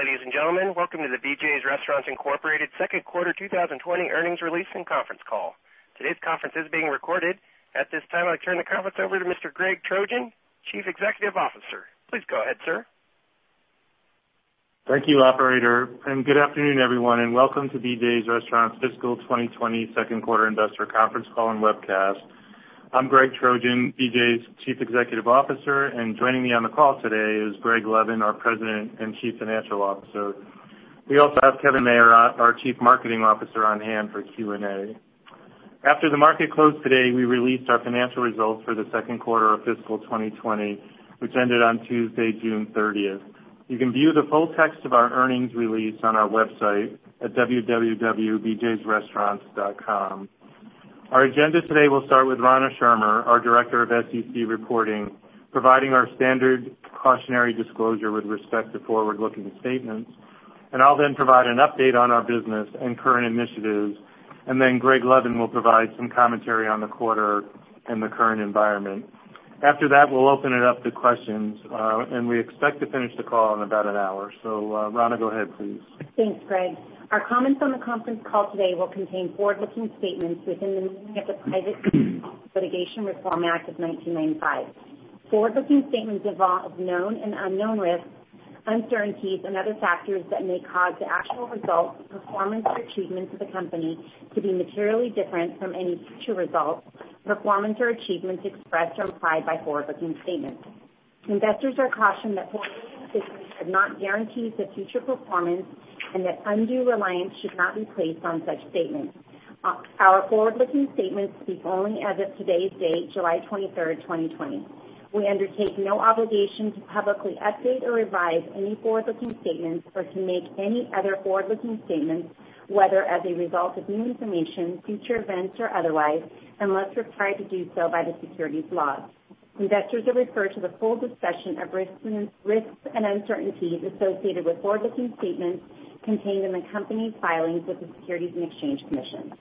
Good day, ladies and gentlemen. Welcome to the BJ's Restaurants Incorporated second quarter 2020 earnings release and conference call. Today's conference is being recorded. At this time, I turn the conference over to Mr. Greg Trojan, Chief Executive Officer. Please go ahead, sir. Thank you, operator. Good afternoon, everyone, and welcome to BJ's Restaurants' fiscal 2020 second quarter investor conference call and webcast. I'm Greg Trojan, BJ's Chief Executive Officer, and joining me on the call today is Greg Levin, our President and Chief Financial Officer. We also have Kevin Mayer, our Chief Marketing Officer, on hand for Q&A. After the market closed today, we released our financial results for the second quarter of fiscal 2020, which ended on Tuesday, June 30th. You can view the full text of our earnings release on our website at www.bjsrestaurants.com. Our agenda today will start with Rana Schirmer, our Director of SEC Reporting, providing our standard cautionary disclosure with respect to forward-looking statements. I'll then provide an update on our business and current initiatives, and then Greg Levin will provide some commentary on the quarter and the current environment. After that, we'll open it up to questions, and we expect to finish the call in about an hour. Rana, go ahead, please. Thanks, Greg. Our comments on the conference call today will contain forward-looking statements within the meaning of the Private Securities Litigation Reform Act of 1995. Forward-looking statements involve known and unknown risks, uncertainties, and other factors that may cause actual results, performance, or achievements of the company to be materially different from any future results, performance, or achievements expressed or implied by forward-looking statements. Investors are cautioned that forward-looking statements are not guarantees of future performance and that undue reliance should not be placed on such statements. Our forward-looking statements speak only as of today's date, July 23rd, 2020. We undertake no obligation to publicly update or revise any forward-looking statements or to make any other forward-looking statements, whether as a result of new information, future events, or otherwise, unless required to do so by the securities laws. Investors are referred to the full discussion of risks and uncertainties associated with forward-looking statements contained in the company's filings with the Securities and Exchange Commission.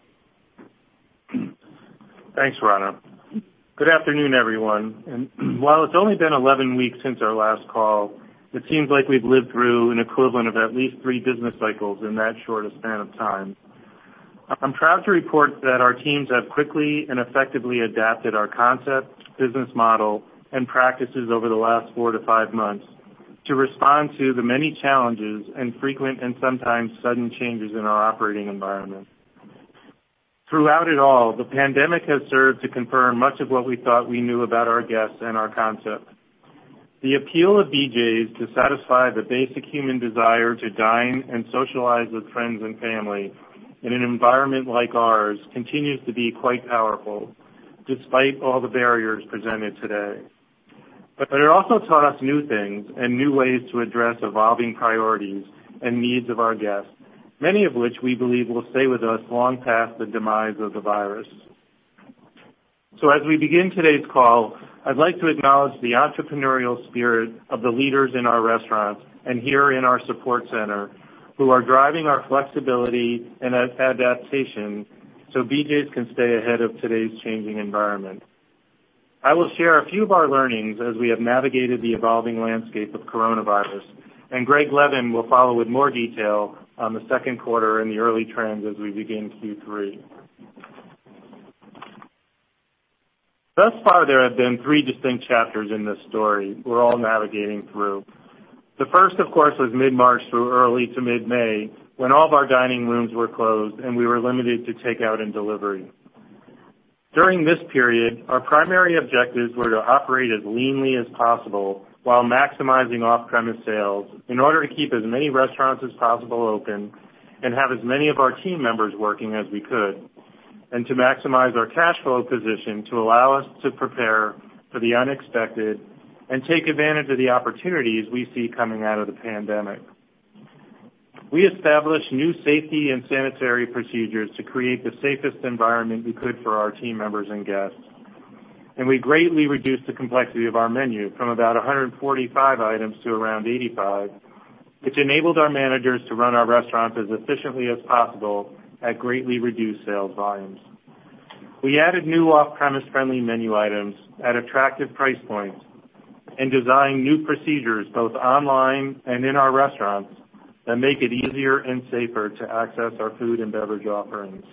Thanks, Rana. Good afternoon, everyone. While it's only been 11 weeks since our last call, it seems like we've lived through an equivalent of at least three business cycles in that short a span of time. I'm proud to report that our teams have quickly and effectively adapted our concept, business model and practices over the last four to five months to respond to the many challenges and frequent and sometimes sudden changes in our operating environment. Throughout it all, the pandemic has served to confirm much of what we thought we knew about our guests and our concept. The appeal of BJ's to satisfy the basic human desire to dine and socialize with friends and family in an environment like ours continues to be quite powerful despite all the barriers presented today. It also taught us new things and new ways to address evolving priorities and needs of our guests, many of which we believe will stay with us long past the demise of the virus. As we begin today's call, I'd like to acknowledge the entrepreneurial spirit of the leaders in our restaurants and here in our support center, who are driving our flexibility and adaptation so BJ's can stay ahead of today's changing environment. I will share a few of our learnings as we have navigated the evolving landscape of coronavirus, and Greg Levin will follow with more detail on the second quarter and the early trends as we begin Q3. Thus far, there have been three distinct chapters in this story we're all navigating through. The first, of course, was mid-March through early to mid-May, when all of our dining rooms were closed, and we were limited to takeout and delivery. During this period, our primary objectives were to operate as leanly as possible while maximizing off-premise sales in order to keep as many restaurants as possible open and have as many of our team members working as we could, and to maximize our cash flow position to allow us to prepare for the unexpected and take advantage of the opportunities we see coming out of the pandemic. We established new safety and sanitary procedures to create the safest environment we could for our team members and guests, and we greatly reduced the complexity of our menu from about 145 items to around 85, which enabled our managers to run our restaurants as efficiently as possible at greatly reduced sales volumes. We added new off-premise friendly menu items at attractive price points and designed new procedures both online and in our restaurants that make it easier and safer to access our food and beverage offerings.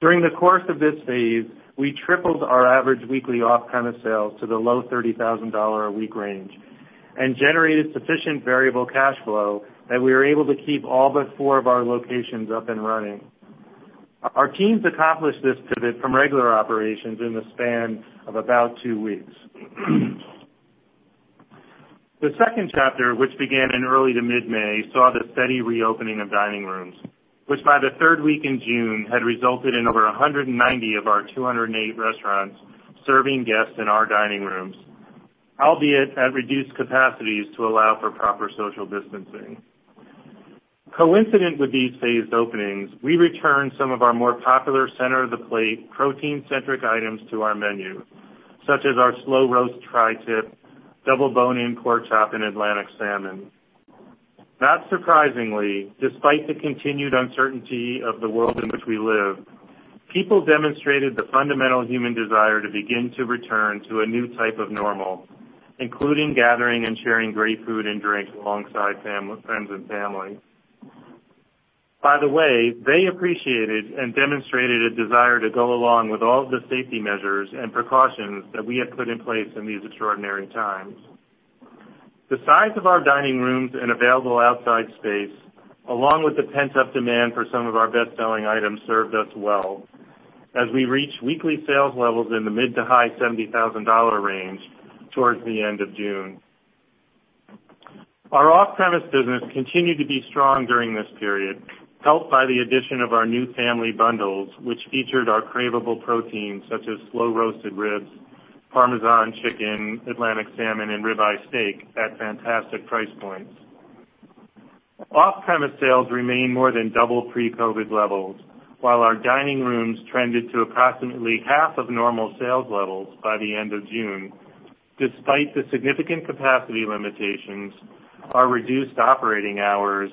During the course of this phase, we tripled our average weekly off-premise sales to the low $30,000 a week range and generated sufficient variable cash flow that we were able to keep all but four of our locations up and running. Our teams accomplished this pivot from regular operations in the span of about two weeks. The second chapter, which began in early to mid-May, saw the steady reopening of dining rooms, which by the third week in June, had resulted in over 190 of our 208 restaurants serving guests in our dining rooms, albeit at reduced capacities to allow for proper social distancing. Coincident with these phased openings, we returned some of our more popular center-of-the-plate, protein-centric items to our menu, such as our Slow-Roasted Tri-Tip, Double Bone-In Pork Chop, and Atlantic salmon. Not surprisingly, despite the continued uncertainty of the world in which we live, people demonstrated the fundamental human desire to begin to return to a new type of normal, including gathering and sharing great food and drink alongside friends and family. By the way, they appreciated and demonstrated a desire to go along with all of the safety measures and precautions that we have put in place in these extraordinary times. The size of our dining rooms and available outside space, along with the pent-up demand for some of our best-selling items, served us well as we reached weekly sales levels in the mid to high $70,000 range towards the end of June. Our off-premise business continued to be strong during this period, helped by the addition of our new family bundles, which featured our craveable proteins such as slow-roasted ribs, Parmesan chicken, Atlantic salmon, and rib-eye steak at fantastic price points. Off-premise sales remain more than double pre-COVID levels, while our dining rooms trended to approximately half of normal sales levels by the end of June. Despite the significant capacity limitations, our reduced operating hours,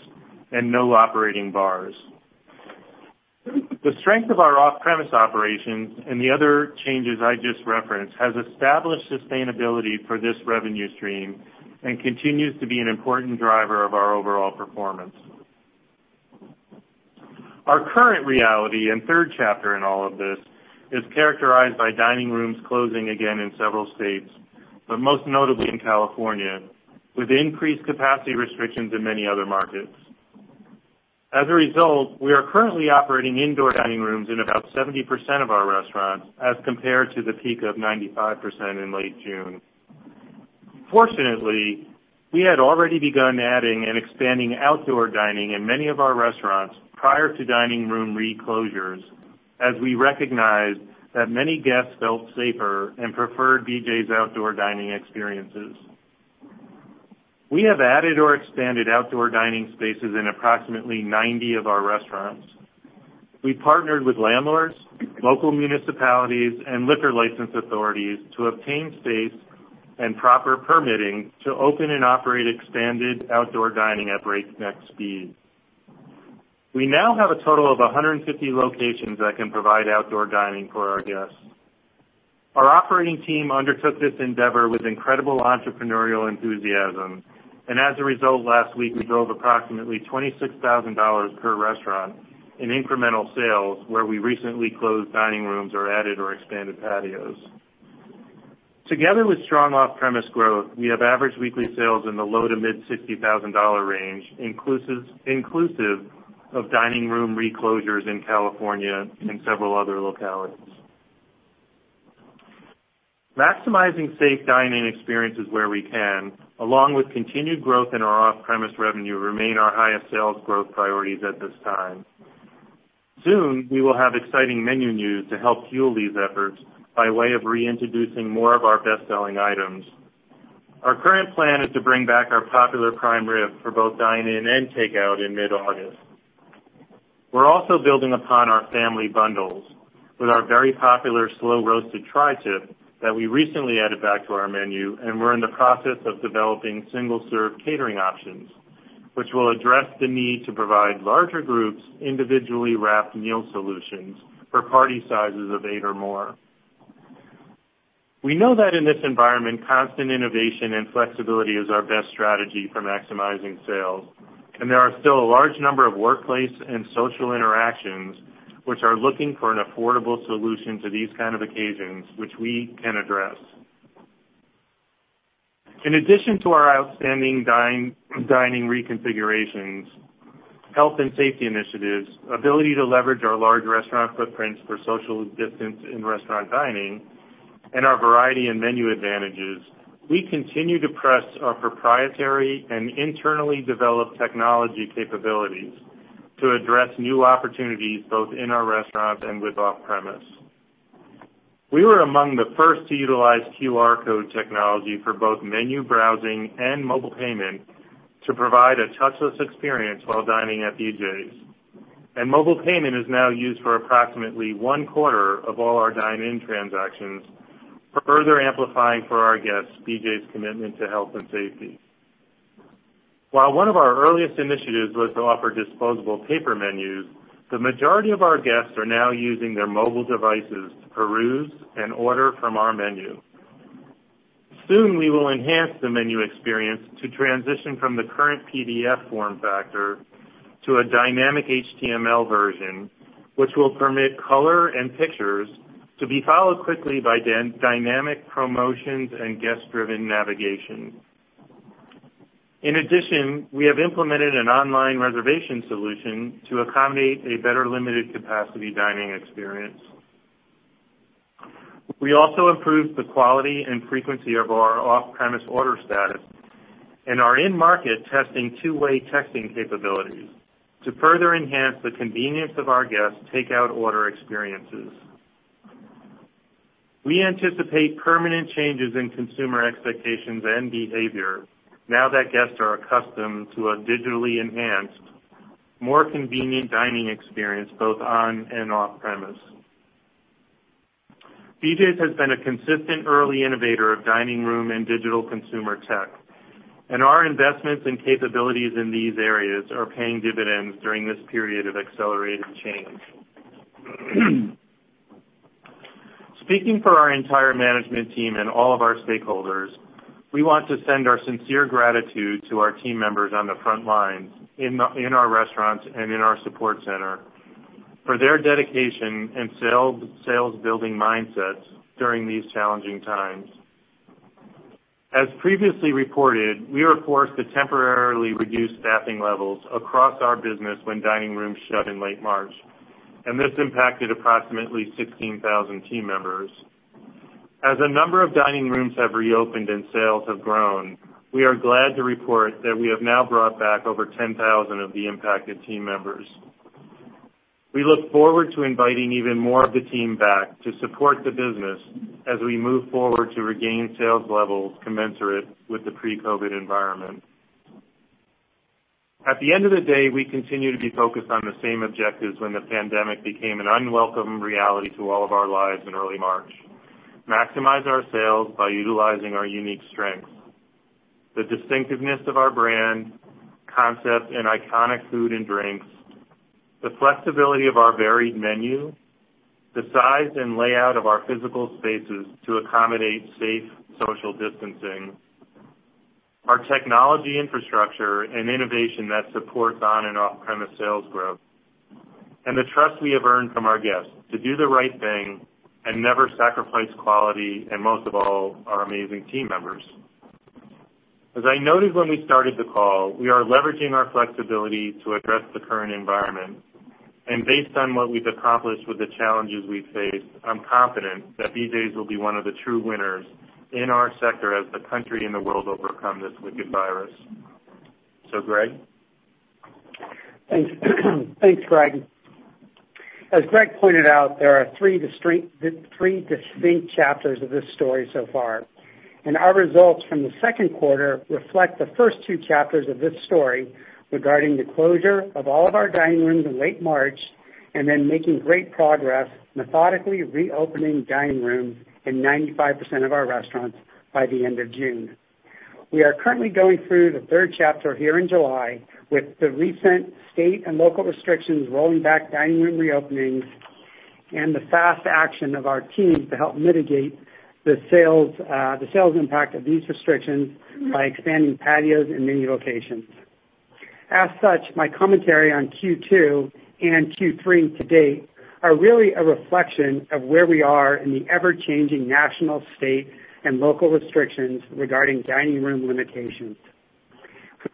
and no operating bars. The strength of our off-premise operations and the other changes I just referenced has established sustainability for this revenue stream and continue to be an important driver of our overall performance. Our current reality and third chapter in all of this is characterized by dining rooms closing again in several states, but most notably in California, with increased capacity restrictions in many other markets. As a result, we are currently operating indoor dining rooms in about 70% of our restaurants as compared to the peak of 95% in late June. Fortunately, we had already begun adding and expanding outdoor dining in many of our restaurants prior to dining room reclosures, as we recognized that many guests felt safer and preferred BJ's outdoor dining experiences. We have added or expanded outdoor dining spaces in approximately 90 of our restaurants. We partnered with landlords, local municipalities, and liquor license authorities to obtain space and proper permitting to open and operate expanded outdoor dining at breakneck speed. We now have a total of 150 locations that can provide outdoor dining for our guests. Our operating team undertook this endeavor with incredible entrepreneurial enthusiasm, and as a result, last week, we drove approximately $26,000 per restaurant in incremental sales where we recently closed dining rooms or added or expanded patios. Together with strong off-premise growth, we have average weekly sales in the low to mid $60,000 range, inclusive of dining room reclosures in California and several other localities. Maximizing safe dine-in experiences where we can, along with continued growth in our off-premise revenue, remain our highest sales growth priorities at this time. Soon, we will have exciting menu news to help fuel these efforts by way of reintroducing more of our best-selling items. Our current plan is to bring back our popular prime rib for both dine-in and takeout in mid-August. We're also building upon our family bundles with the very popular Slow-Roasted Tri-Tip that we recently added back to our menu, and we're in the process of developing single-serve catering options, which will address the need to provide larger groups individually wrapped meal solutions for party sizes of eight or more. We know that in this environment, constant innovation and flexibility is our best strategy for maximizing sales, and there are still a large number of workplace and social interactions which are looking for an affordable solution to these kind of occasions, which we can address. In addition to our outstanding dining reconfigurations, health and safety initiatives, ability to leverage our large restaurant footprints for social distance in restaurant dining, and our variety and menu advantages, we continue to press our proprietary and internally developed technology capabilities to address new opportunities both in our restaurants and with off-premise. We were among the first to utilize QR code technology for both menu browsing and mobile payment to provide a touchless experience while dining at BJ's. Mobile payment is now used for approximately one-quarter of all our dine-in transactions, further amplifying for our guests BJ's commitment to health and safety. While one of our earliest initiatives was to offer disposable paper menus, the majority of our guests are now using their mobile devices to peruse and order from our menu. Soon, we will enhance the menu experience to transition from the current PDF form factor to a dynamic HTML version, which will permit color and pictures to be followed quickly by dynamic promotions and guest-driven navigation. In addition, we have implemented an online reservation solution to accommodate a better limited-capacity dining experience. We also improved the quality and frequency of our off-premise order status and are in-market testing two-way texting capabilities to further enhance the convenience of our guests' takeout order experiences. We anticipate permanent changes in consumer expectations and behavior now that guests are accustomed to a digitally enhanced, more convenient dining experience both on and off-premises. BJ's has been a consistent early innovator of dining room and digital consumer tech, and our investments and capabilities in these areas are paying dividends during this period of accelerated change. Speaking for our entire management team and all of our stakeholders, we want to send our sincere gratitude to our team members on the front lines, in our restaurants, and in our support center for their dedication and sales-building mindsets during these challenging times. As previously reported, we were forced to temporarily reduce staffing levels across our business when dining rooms shut in late March, and this impacted approximately 16,000 team members. As a number of dining rooms have reopened and sales have grown, we are glad to report that we have now brought back over 10,000 of the impacted team members. We look forward to inviting even more of the team back to support the business as we move forward to regain sales levels commensurate with the pre-COVID environment. At the end of the day, we continue to be focused on the same objectives when the pandemic became an unwelcome reality to all of our lives in early March. Maximize our sales by utilizing our unique strengths, the distinctiveness of our brand, concept, and iconic food and drinks, the flexibility of our varied menu, the size and layout of our physical spaces to accommodate safe social distancing, our technology infrastructure and innovation that supports on and off-premise sales growth, and the trust we have earned from our guests to do the right thing and never sacrifice quality, and most of all, our amazing team members. As I noted when we started the call, we are leveraging our flexibility to address the current environment, and based on what we've accomplished with the challenges we've faced, I'm confident that BJ's will be one of the true winners in our sector as the country and the world overcome this wicked virus. Greg. Thanks. Thanks, Greg. As Greg pointed out, there are three distinct chapters of this story so far. Our results from the second quarter reflect the first two chapters of this story regarding the closure of all of our dining rooms in late March, making great progress, methodically reopening dining rooms in 95% of our restaurants by the end of June. We are currently going through the third chapter here in July, with the recent state and local restrictions rolling back dining room reopenings the fast action of our teams to help mitigate the sales impact of these restrictions by expanding patios in many locations. As such, my commentary on Q2 and Q3 to date are really a reflection of where we are in the ever-changing national, state, and local restrictions regarding dining room limitations.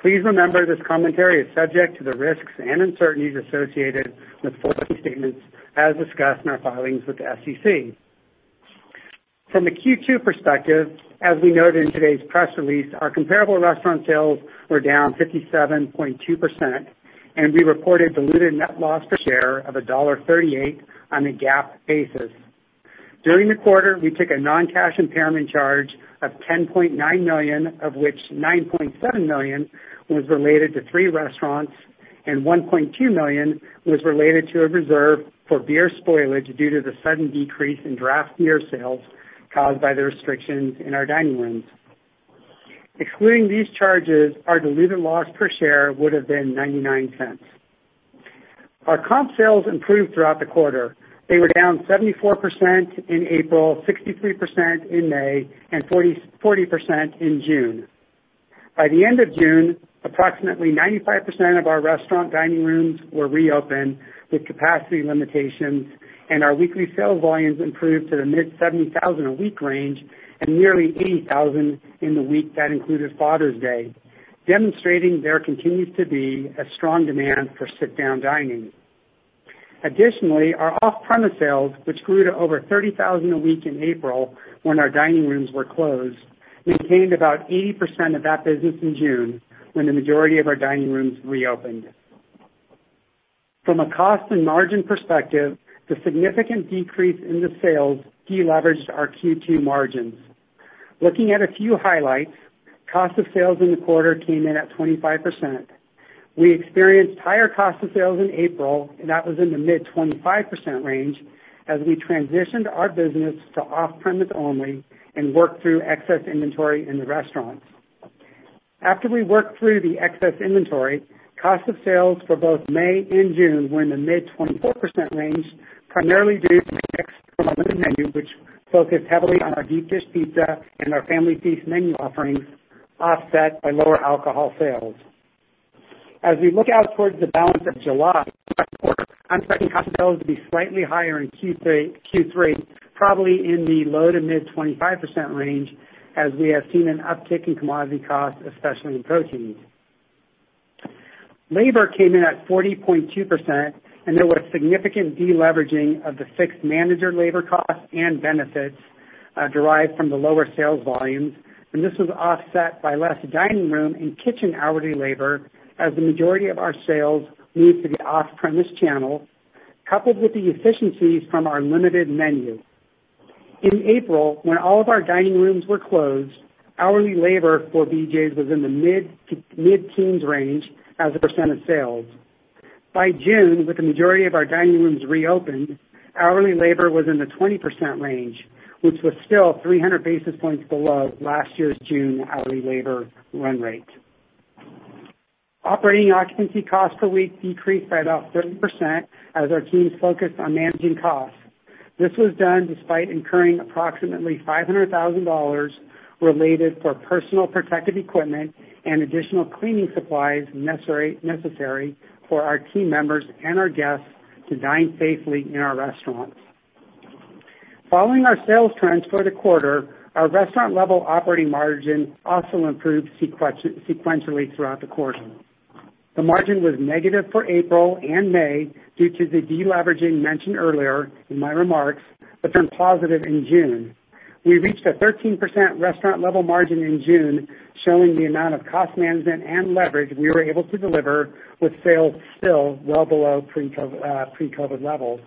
Please remember this commentary is subject to the risks and uncertainties associated with forward-looking statements as discussed in our filings with the SEC. From the Q2 perspective, as we noted in today's press release, our comparable restaurant sales were down 57.2%, and we reported diluted net loss per share of $1.38 on a GAAP basis. During the quarter, we took a non-cash impairment charge of $10.9 million, of which $9.7 million was related to three restaurants, and $1.2 million was related to a reserve for beer spoilage due to the sudden decrease in draft beer sales caused by the restrictions in our dining rooms. Excluding these charges, our diluted loss per share would've been $0.99. Our comp sales improved throughout the quarter. They were down 74% in April, 63% in May, and 40% in June. By the end of June, approximately 95% of our restaurant dining rooms were reopened with capacity limitations, and our weekly sales volumes improved to the mid $70,000 a week range and nearly $80,000 in the week that included Father's Day, demonstrating there continues to be a strong demand for sit-down dining. Additionally, our off-premise sales, which grew to over $30,000 a week in April when our dining rooms were closed, maintained about 80% of that business in June when the majority of our dining rooms reopened. From a cost and margin perspective, the significant decrease in the sales deleveraged our Q2 margins. Looking at a few highlights, cost of sales in the quarter came in at 25%. We experienced higher cost of sales in April, and that was in the mid 25% range as we transitioned our business to off-premise only and worked through excess inventory in the restaurants. After we worked through the excess inventory, cost of sales for both May and June were in the mid 24% range, primarily due to the mix from a limited menu which focused heavily on our deep dish pizza and our family feast menu offerings, offset by lower alcohol sales. As we look out towards the balance of July, I expect costs to be slightly higher in Q3, probably in the low to mid 25% range, as we have seen an uptick in commodity costs, especially in proteins. Labor came in at 40.2%, and there was significant deleveraging of the fixed manager labor costs and benefits, derived from the lower sales volumes, and this was offset by less dining room and kitchen hourly labor as the majority of our sales moved to the off-premise channel, coupled with the efficiencies from our limited menu. In April, when all of our dining rooms were closed, hourly labor for BJ's was in the mid-teens range as a percentage of sales. By June, with the majority of our dining rooms reopened, hourly labor was in the 20% range, which was still 300 basis points below last year's June hourly labor run rate. Operating occupancy cost per week decreased by about 30% as our teams focused on managing costs. This was done despite incurring approximately $500,000 related for personal protective equipment and additional cleaning supplies necessary for our team members and our guests to dine safely in our restaurants. Following our sales trends for the quarter, our restaurant-level operating margin also improved sequentially throughout the quarter. The margin was negative for April and May due to the de-leveraging mentioned earlier in my remarks, but then positive in June. We reached a 13% restaurant level margin in June, showing the amount of cost management and leverage we were able to deliver with sales still well below pre-COVID levels.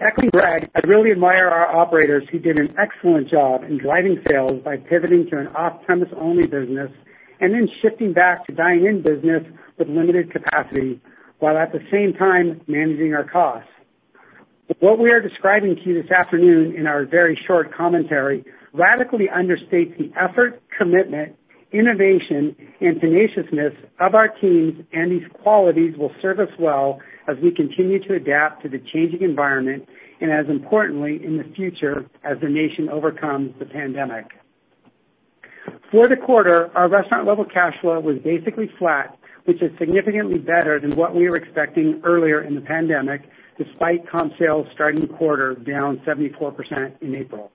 Echoing Greg, I really admire our operators who did an excellent job in driving sales by pivoting to an off-premise only business and then shifting back to dine-in business with limited capacity, while at the same time managing our costs. What we are describing to you this afternoon in our very short commentary radically understates the effort, commitment, innovation and tenaciousness of our teams, and these qualities will serve us well as we continue to adapt to the changing environment, and as importantly, in the future, as the nation overcomes the pandemic. For the quarter, our restaurant-level cash flow was basically flat, which is significantly better than what we were expecting earlier in the pandemic, despite comp sales starting the quarter down 74% in April.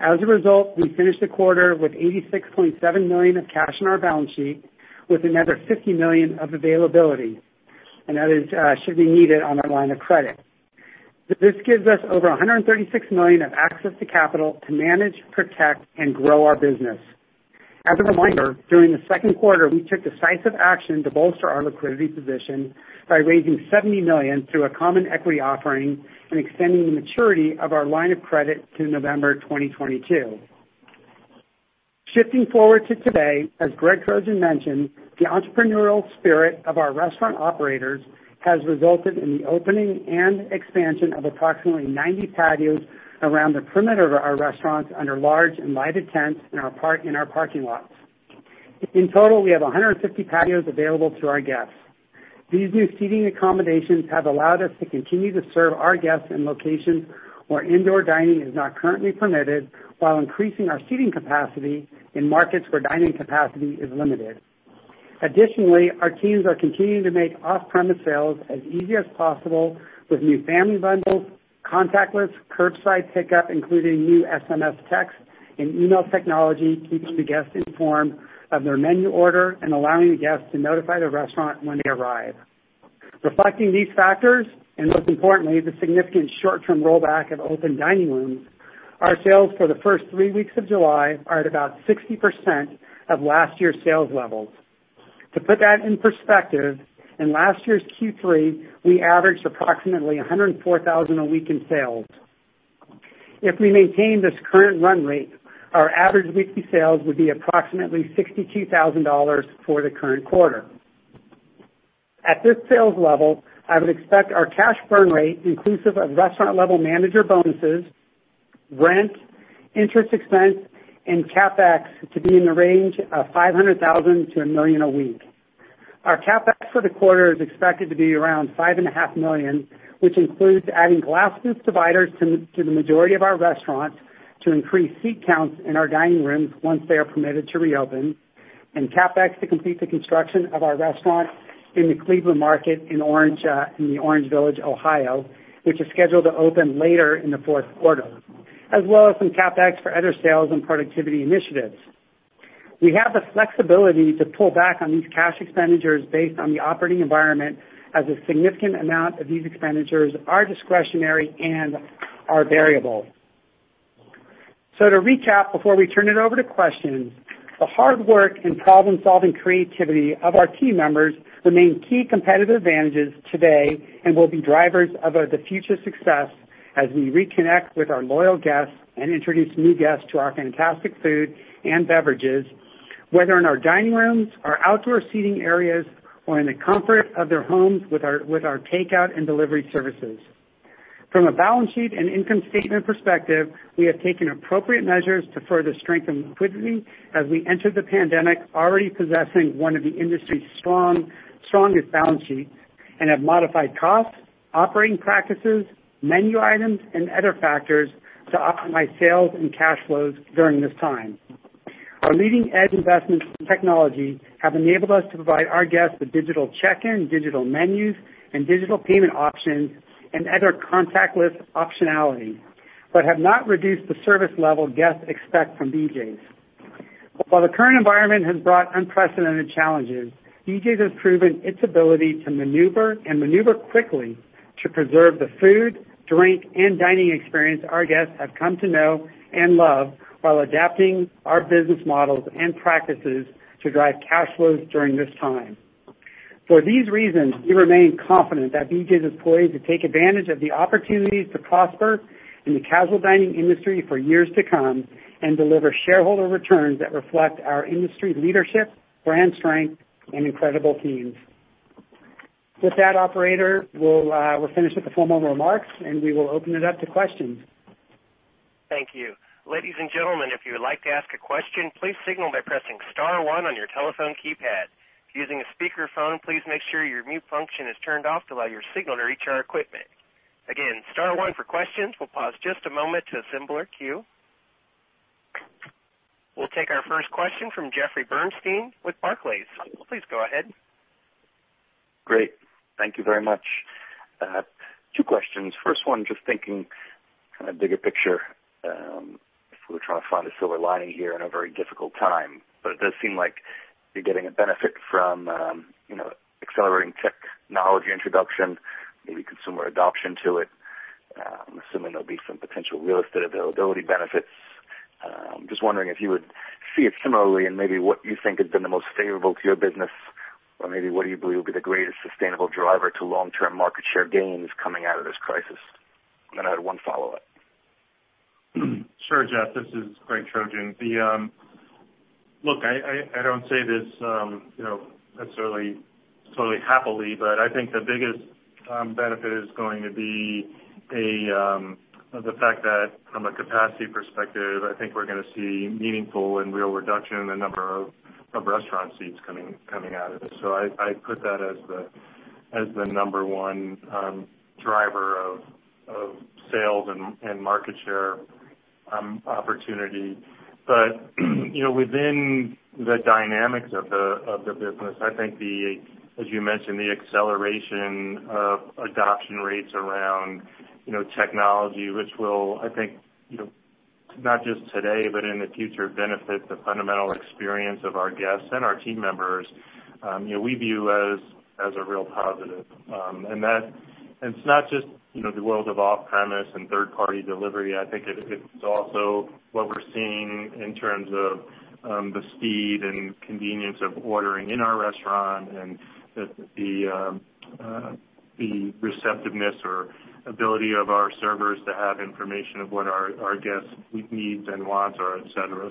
As a result, we finished the quarter with $86.7 million of cash on our balance sheet, with another $50 million of availability, and that should be needed on our line of credit. This gives us over $136 million of access to capital to manage, protect, and grow our business. As a reminder, during the second quarter, we took decisive action to bolster our liquidity position by raising $70 million through a common equity offering and extending the maturity of our line of credit to November 2022. Shifting forward to today, as Greg Trojan mentioned, the entrepreneurial spirit of our restaurant operators has resulted in the opening and expansion of approximately 90 patios around the perimeter of our restaurants under large and lighted tents in our parking lots. In total, we have 150 patios available to our guests. These new seating accommodations have allowed us to continue to serve our guests in locations where indoor dining is not currently permitted while increasing our seating capacity in markets where dining capacity is limited. Additionally, our teams are continuing to make off-premise sales as easy as possible with new family bundles, contactless curbside pickup, including new SMS text and email technology, keeping the guests informed of their menu order, and allowing the guests to notify the restaurant when they arrive. Reflecting these factors, and most importantly, the significant short-term rollback of open dining rooms, our sales for the first three weeks of July are at about 60% of last year's sales levels. To put that in perspective, in last year's Q3, we averaged approximately $104,000 a week in sales. If we maintain this current run rate, our average weekly sales would be approximately $62,000 for the current quarter. At this sales level, I would expect our cash burn rate, inclusive of restaurant-level manager bonuses, rent, interest expense, and CapEx to be in the range of $500,000-$1 million a week. Our CapEx for the quarter is expected to be around five and a half million, which includes adding glass booth dividers to the majority of our restaurants to increase seat counts in our dining rooms once they are permitted to reopen, and CapEx to complete the construction of our restaurant in the Cleveland market in Orange Village, Ohio, which is scheduled to open later in the fourth quarter, as well as some CapEx for other sales and productivity initiatives. We have the flexibility to pull back on these cash expenditures based on the operating environment as a significant amount of these expenditures are discretionary and are variable. To recap, before we turn it over to questions, the hard work and problem-solving creativity of our team members remain key competitive advantages today and will be drivers of the future success as we reconnect with our loyal guests and introduce new guests to our fantastic food and beverages, whether in our dining rooms or outdoor seating areas or in the comfort of their homes with our takeout and delivery services. From a balance sheet and income statement perspective, we have taken appropriate measures to further strengthen liquidity as we entered the pandemic already possessing one of the industry's strongest balance sheets and have modified costs, operating practices, menu items, and other factors to optimize sales and cash flows during this time. Our leading-edge investments in technology have enabled us to provide our guests with digital check-in, digital menus, and digital payment options, and other contactless optionality but have not reduced the service level guests expect from BJ's. While the current environment has brought unprecedented challenges, BJ's has proven its ability to maneuver quickly to preserve the food, drink, and dining experience our guests have come to know and love while adapting our business models and practices to drive cash flows during this time. For these reasons, we remain confident that BJ's is poised to take advantage of the opportunities to prosper in the casual dining industry for years to come and deliver shareholder returns that reflect our industry leadership, brand strength, and incredible teams. With that operator, we'll finish with the formal remarks, and we will open it up to questions. Thank you. Ladies and gentlemen, if you would like to ask a question, please signal by pressing star one on your telephone keypad. If using a speakerphone, please make sure your mute function is turned off to allow your signal to reach our equipment. Again, star one for questions. We'll pause just a moment to assemble our queue. We'll take our first question from Jeffrey Bernstein with Barclays. Please go ahead. Great. Thank you very much. Two questions. First one, just thinking kind of bigger picture, if we're trying to find a silver lining here in a very difficult time. it does seem like you're getting a benefit from accelerating technology introduction, maybe consumer adoption to it. I'm assuming there'll be some potential real estate availability benefits. Just wondering if you would see it similarly, and maybe what you think has been the most favorable to your business, or maybe what do you believe will be the greatest sustainable driver to long-term market share gains coming out of this crisis? I had one follow-up. Sure, Jeffrey, this is Greg Trojan. Look, I don't say this necessarily totally happily, but I think the biggest benefit is going to be the fact that from a capacity perspective, I think we're going to see a meaningful and real reduction in the number of restaurant seats coming out of this. I put that as the number one driver of sales and market share opportunity. Within the dynamics of the business, I think the, as you mentioned, the acceleration of adoption rates around technology, which will, I think, not just today, but in the future, benefit the fundamental experience of our guests and our team members. We view as a real positive. It's not just the world of off-premise and third-party delivery. I think it's also what we're seeing in terms of the speed and convenience of ordering in our restaurant and the receptiveness or ability of our servers to have information of what our guests needs and wants are, et cetera.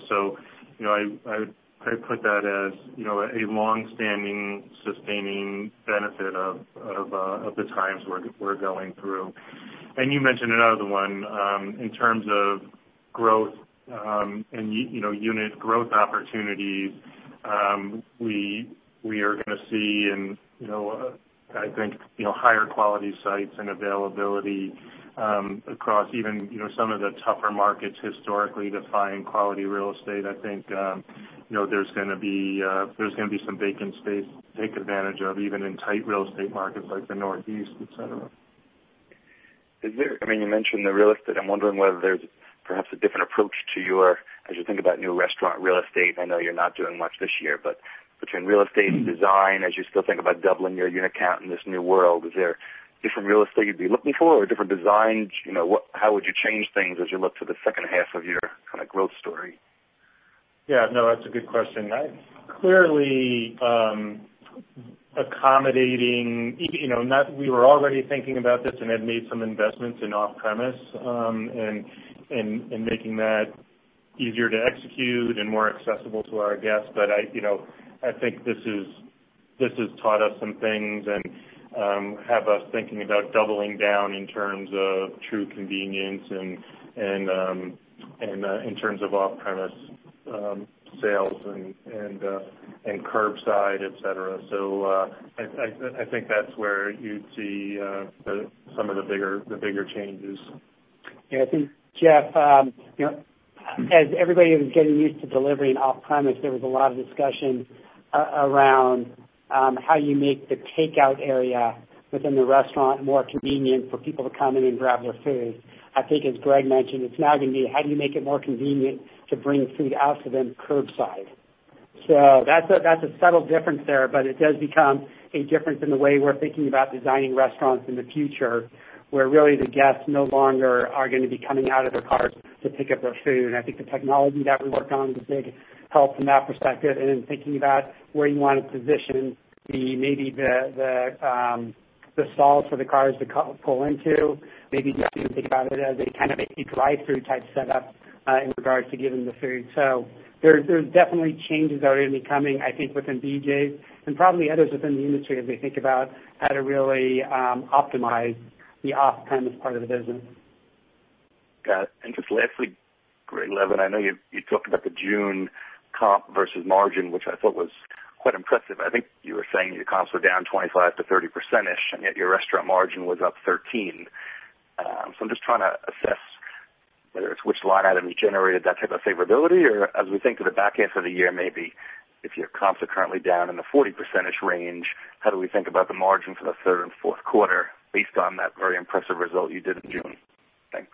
I put that as a longstanding sustaining benefit of the times we're going through. You mentioned another one, in terms of growth, and unit growth opportunities, we are going to see in, I think, higher quality sites and availability across even some of the tougher markets historically to find quality real estate. I think there's going to be some vacant space to take advantage of, even in tight real estate markets like the Northeast, et cetera. You mentioned the real estate. I'm wondering whether there's perhaps a different approach to your as you think about new restaurant real estate. I know you're not doing much this year, but between real estate and design, as you still think about doubling your unit count in this new world, is there different real estate you'd be looking for or different designs? How would you change things as you look to the second half of your growth story? Yeah, no, that's a good question. Clearly, we were already thinking about this and had made some investments in off-premise, and making that easier to execute and more accessible to our guests. I think this has taught us some things and have us thinking about doubling down in terms of true convenience and in terms of off-premise sales and curbside, et cetera. I think that's where you'd see some of the bigger changes. Yeah, I think, Jeff, as everybody was getting used to delivering off-premise, there was a lot of discussion around how you make the takeout area within the restaurant more convenient for people to come in and grab their food. I think, as Greg mentioned, it's now going to be how do you make it more convenient to bring food out to them curbside. that's a subtle difference there, but it does become a difference in the way we're thinking about designing restaurants in the future, where really the guests no longer are going to be coming out of their cars to pick up their food. I think the technology that we worked on was a big help from that perspective. thinking about where you want to position maybe the stalls for the cars to pull into, maybe even think about it as a kind of a drive-through type setup, in regards to giving the food. There's definitely changes that are going to be coming, I think, within BJ's and probably others within the industry as they think about how to really optimize the off-premise part of the business. Got it. just lastly, Greg Levin, I know you talked about the June comp versus margin, which I thought was quite impressive. I think you were saying your comps were down 25 to 30%-ish, and yet your restaurant margin was up 13. I'm just trying to assess whether it's which line item generated that type of favorability or as we think to the back half of the year, maybe if your comps are currently down in the 40% range, how do we think about the margin for the third and fourth quarter based on that very impressive result you did in June? Thanks.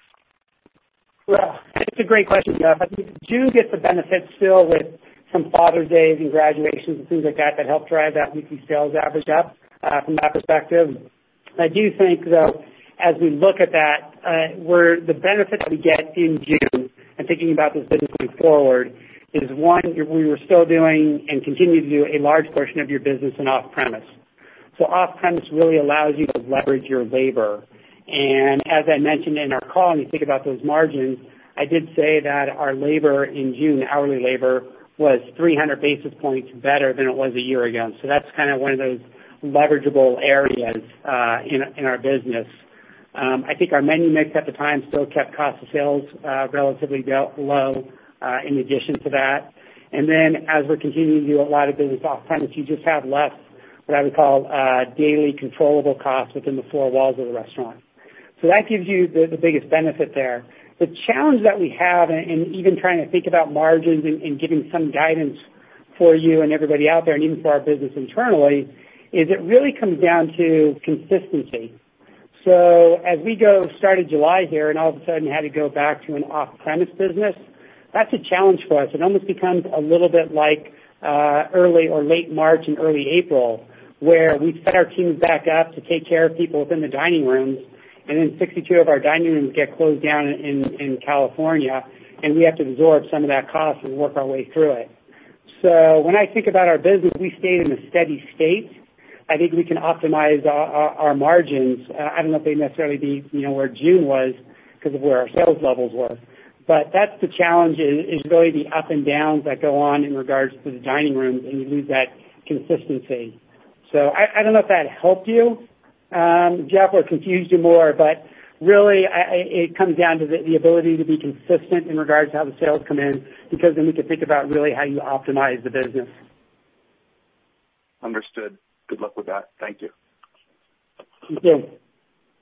Well, it's a great question, Jeff. I think we do get the benefit still with some Father's Days and graduations and things like that help drive that weekly sales average up from that perspective. I do think, though, as we look at that, the benefit we get in June and thinking about this business going forward is one, we were still doing and continue to do a large portion of your business in off-premise. Off-premise really allows you to leverage your labor. As I mentioned in our call, when you think about those margins, I did say that our labor in June, hourly labor, was 300 basis points better than it was a year ago. That's kind of one of those leverageable areas in our business. I think our menu mix at the time still kept cost of sales relatively low in addition to that. As we're continuing to do a lot of business off-premise, you just have less, what I would call, daily controllable costs within the four walls of the restaurant. That gives you the biggest benefit there. The challenge that we have in even trying to think about margins and giving some guidance for you and everybody out there, and even for our business internally, is it really comes down to consistency. Started July here, and all of a sudden had to go back to an off-premise business, that's a challenge for us. It almost becomes a little bit like early or late March and early April, where we set our teams back up to take care of people within the dining rooms, and then 62 of our dining rooms get closed down in California, and we have to absorb some of that cost and work our way through it. When I think about our business, we stayed in a steady state. I think we can optimize our margins. I don't know if they'd necessarily be where June was because of where our sales levels were. That's the challenge is really the up and downs that go on in regards to the dining rooms, and you lose that consistency. I don't know if that helped you, Jeff, or confused you more, but really, it comes down to the ability to be consistent in regards to how the sales come in, because then we can think about really how you optimize the business. Understood. Good luck with that. Thank you. Thank you.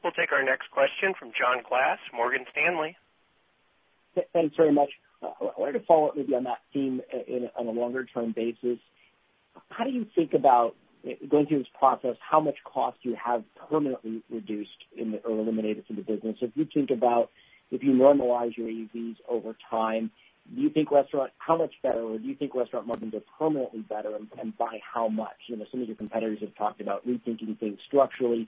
We'll take our next question from John Glass, Morgan Stanley. Thanks very much. I wanted to follow up maybe on that theme on a longer term basis. How do you think about going through this process, how much cost do you have permanently reduced or eliminated from the business? If you think about if you normalize your AUVs over time, how much better or do you think restaurant margins are permanently better and by how much? Some of your competitors have talked about rethinking things structurally,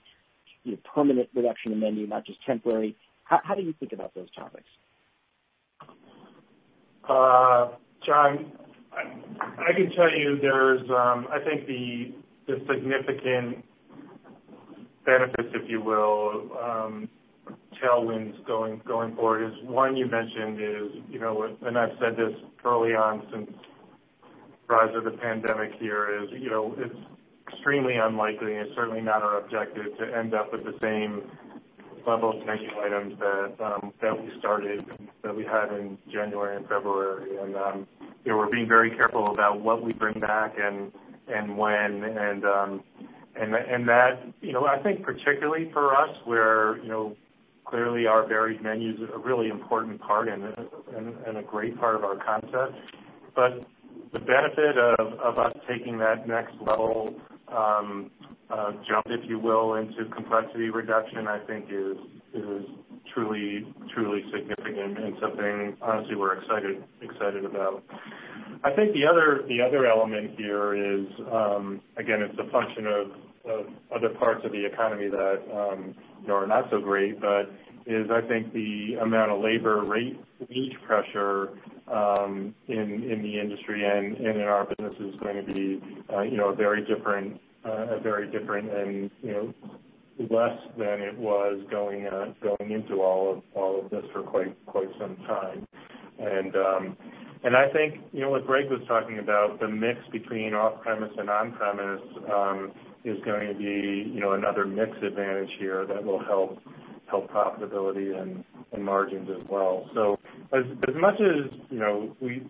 permanent reduction in menu, not just temporary. How do you think about those topics? John, I can tell you there's, I think the significant benefits, if you will, tailwinds going forward is one you mentioned is, and I've said this early on since the rise of the pandemic here is, it's extremely unlikely and certainly not our objective to end up with the same level of menu items that we started, that we had in January and February. We're being very careful about what we bring back and when. That, I think particularly for us, where clearly our varied menu is a really important part and a great part of our concept. The benefit of us taking that next level jump, if you will, into complexity reduction, I think is truly significant and something honestly, we're excited about I think the other element here is, again, it's a function of other parts of the economy that are not so great, but is I think the amount of labor rate wage pressure in the industry and in our business is going to be very different and less than it was going into all of this for quite some time. I think, what Greg was talking about, the mix between off-premise and on-premise, is going to be another mix advantage here that will help profitability and margins as well. As much as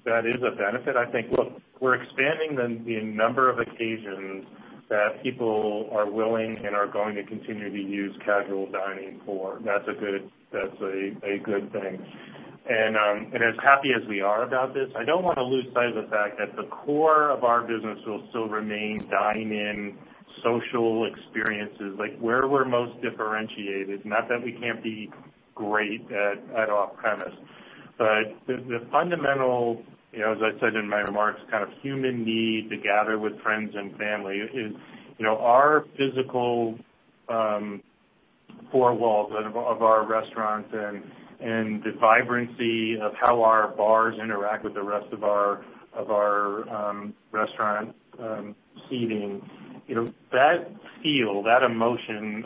that is a benefit, I think, look, we're expanding the number of occasions that people are willing and are going to continue to use casual dining for. That's a good thing. As happy as we are about this, I don't want to lose sight of the fact that the core of our business will still remain dine-in, social experiences, like where we're most differentiated. Not that we can't be great at off-premise. The fundamental, as I said in my remarks, kind of human need to gather with friends and family is our physical four walls of our restaurants and the vibrancy of how our bars interact with the rest of our restaurant seating. That feel, that emotion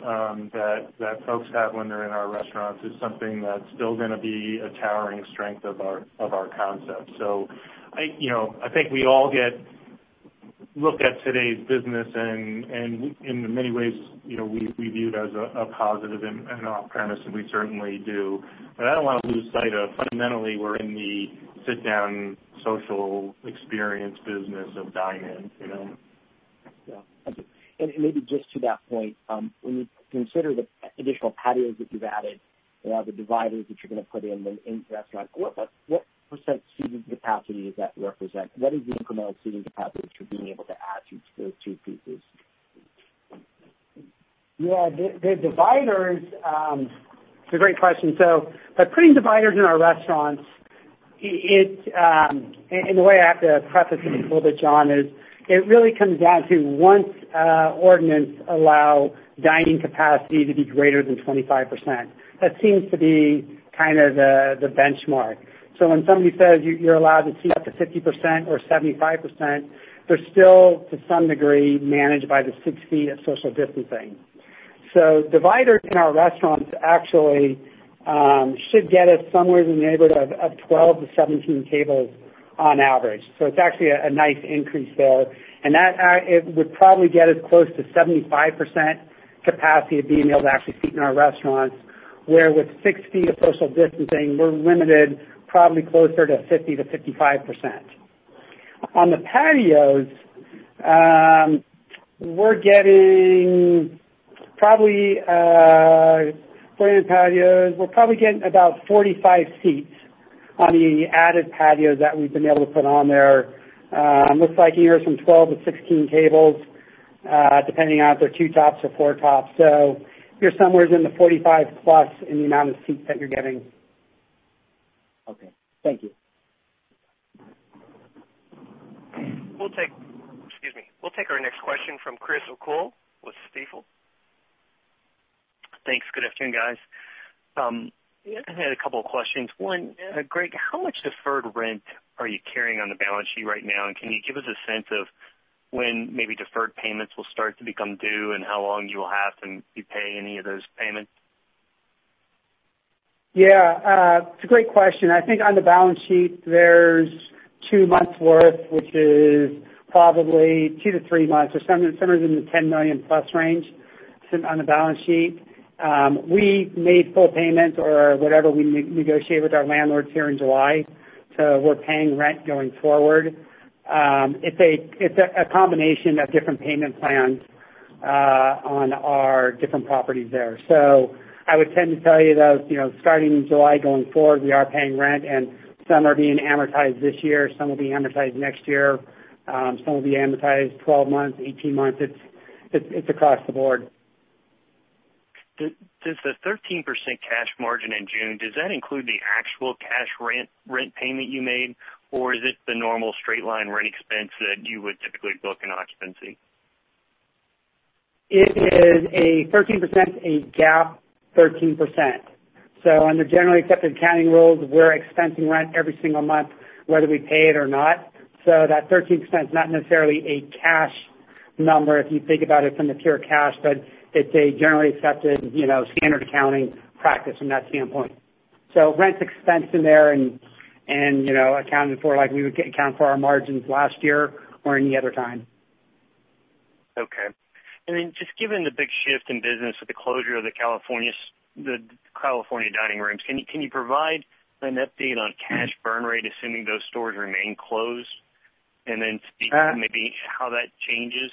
that folks have when they're in our restaurants is something that's still gonna be a towering strength of our concept. I think we all get a look at today's business and in many ways, we view it as a positive in off-premise, and we certainly do. I don't want to lose sight of fundamentally, we're in the sit-down social experience business of dine-in. Yeah. Thank you. Maybe just to that point, when you consider the additional patios that you've added or the dividers that you're going to put in the restaurant, what % seating capacity does that represent? What is the incremental seating capacity that you're being able to add to those two pieces? Yeah. The dividers, it's a great question. By putting dividers in our restaurants, and the way I have to preface it a little bit, John, is it really comes down to once ordinances allow dining capacity to be greater than 25%. That seems to be kind of the benchmark. When somebody says you're allowed to seat up to 50% or 75%, they're still, to some degree, managed by the six feet of social distancing. Dividers in our restaurants actually should get us somewhere in the neighborhood of 12 to 17 tables on average. It's actually a nice increase there. It would probably get us close to 75% capacity of being able to actually seat in our restaurants, where with six feet of social distancing, we're limited probably closer to 50% to 55%. On the patios, for in patios, we're probably getting about 45 seats on the added patios that we've been able to put on there. Looks like anywhere from 12 to 16 tables, depending on if they're two tops or four tops. You're somewhere in the 45-plus in the amount of seats that you're getting. Okay. Thank you. We'll take our next question from Chris O'Cull with Stifel. Thanks. Good afternoon, guys. I had a couple of questions. One, Greg, how much deferred rent are you carrying on the balance sheet right now, and can you give us a sense of when maybe deferred payments will start to become due and how long you will have to pay any of those payments? Yeah. It's a great question. I think on the balance sheet, there's two months' worth, which is probably two to three months, or somewhere in the $10 million-plus range, sitting on the balance sheet. We made full payment or whatever we negotiate with our landlords here in July, so we're paying rent going forward. It's a combination of different payment plans on our different properties there. I would tend to tell you that starting in July, going forward, we are paying rent, and some are being amortized this year, some will be amortized next year. Some will be amortized 12 months, 18 months. It's across the board. Does that include the actual cash rent payment you made, or is it the normal straight line rent expense that you would typically book in occupancy? It is a 13%, a GAAP 13%. under generally accepted accounting rules, we're expensing rent every single month, whether we pay it or not. that 13%'s not necessarily a cash number if you think about it from the pure cash, but it's a generally accepted standard accounting practice from that standpoint. rent's expensed in there and accounted for like we would account for our margins last year or any other time. Okay. just given the big shift in business with the closure of the California dining rooms, can you provide an update on cash burn rate, assuming those stores remain closed, and then speak to maybe how that changes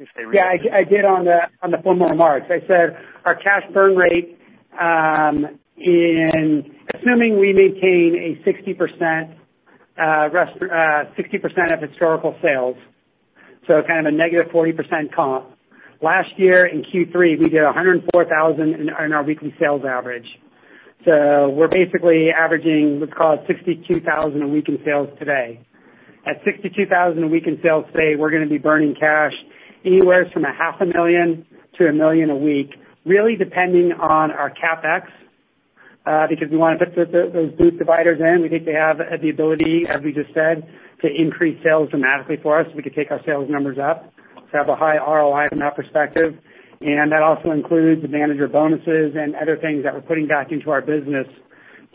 if they reopen? Yeah, I did on the formal remarks. I said our cash burn rate, assuming we maintain a 60% of historical sales, so kind of a negative 40% comp. Last year in Q3, we did 104,000 in our weekly sales average. We're basically averaging, we'll call it 62,000 a week in sales today. At 62,000 a week in sales today, we're going to be burning cash anywhere from a half a million to a million a week, really depending on our CapEx, because we want to put those booth dividers in. We think they have the ability, as we just said, to increase sales dramatically for us, so we could take our sales numbers up, to have a high ROI from that perspective. That also includes the manager bonuses and other things that we're putting back into our business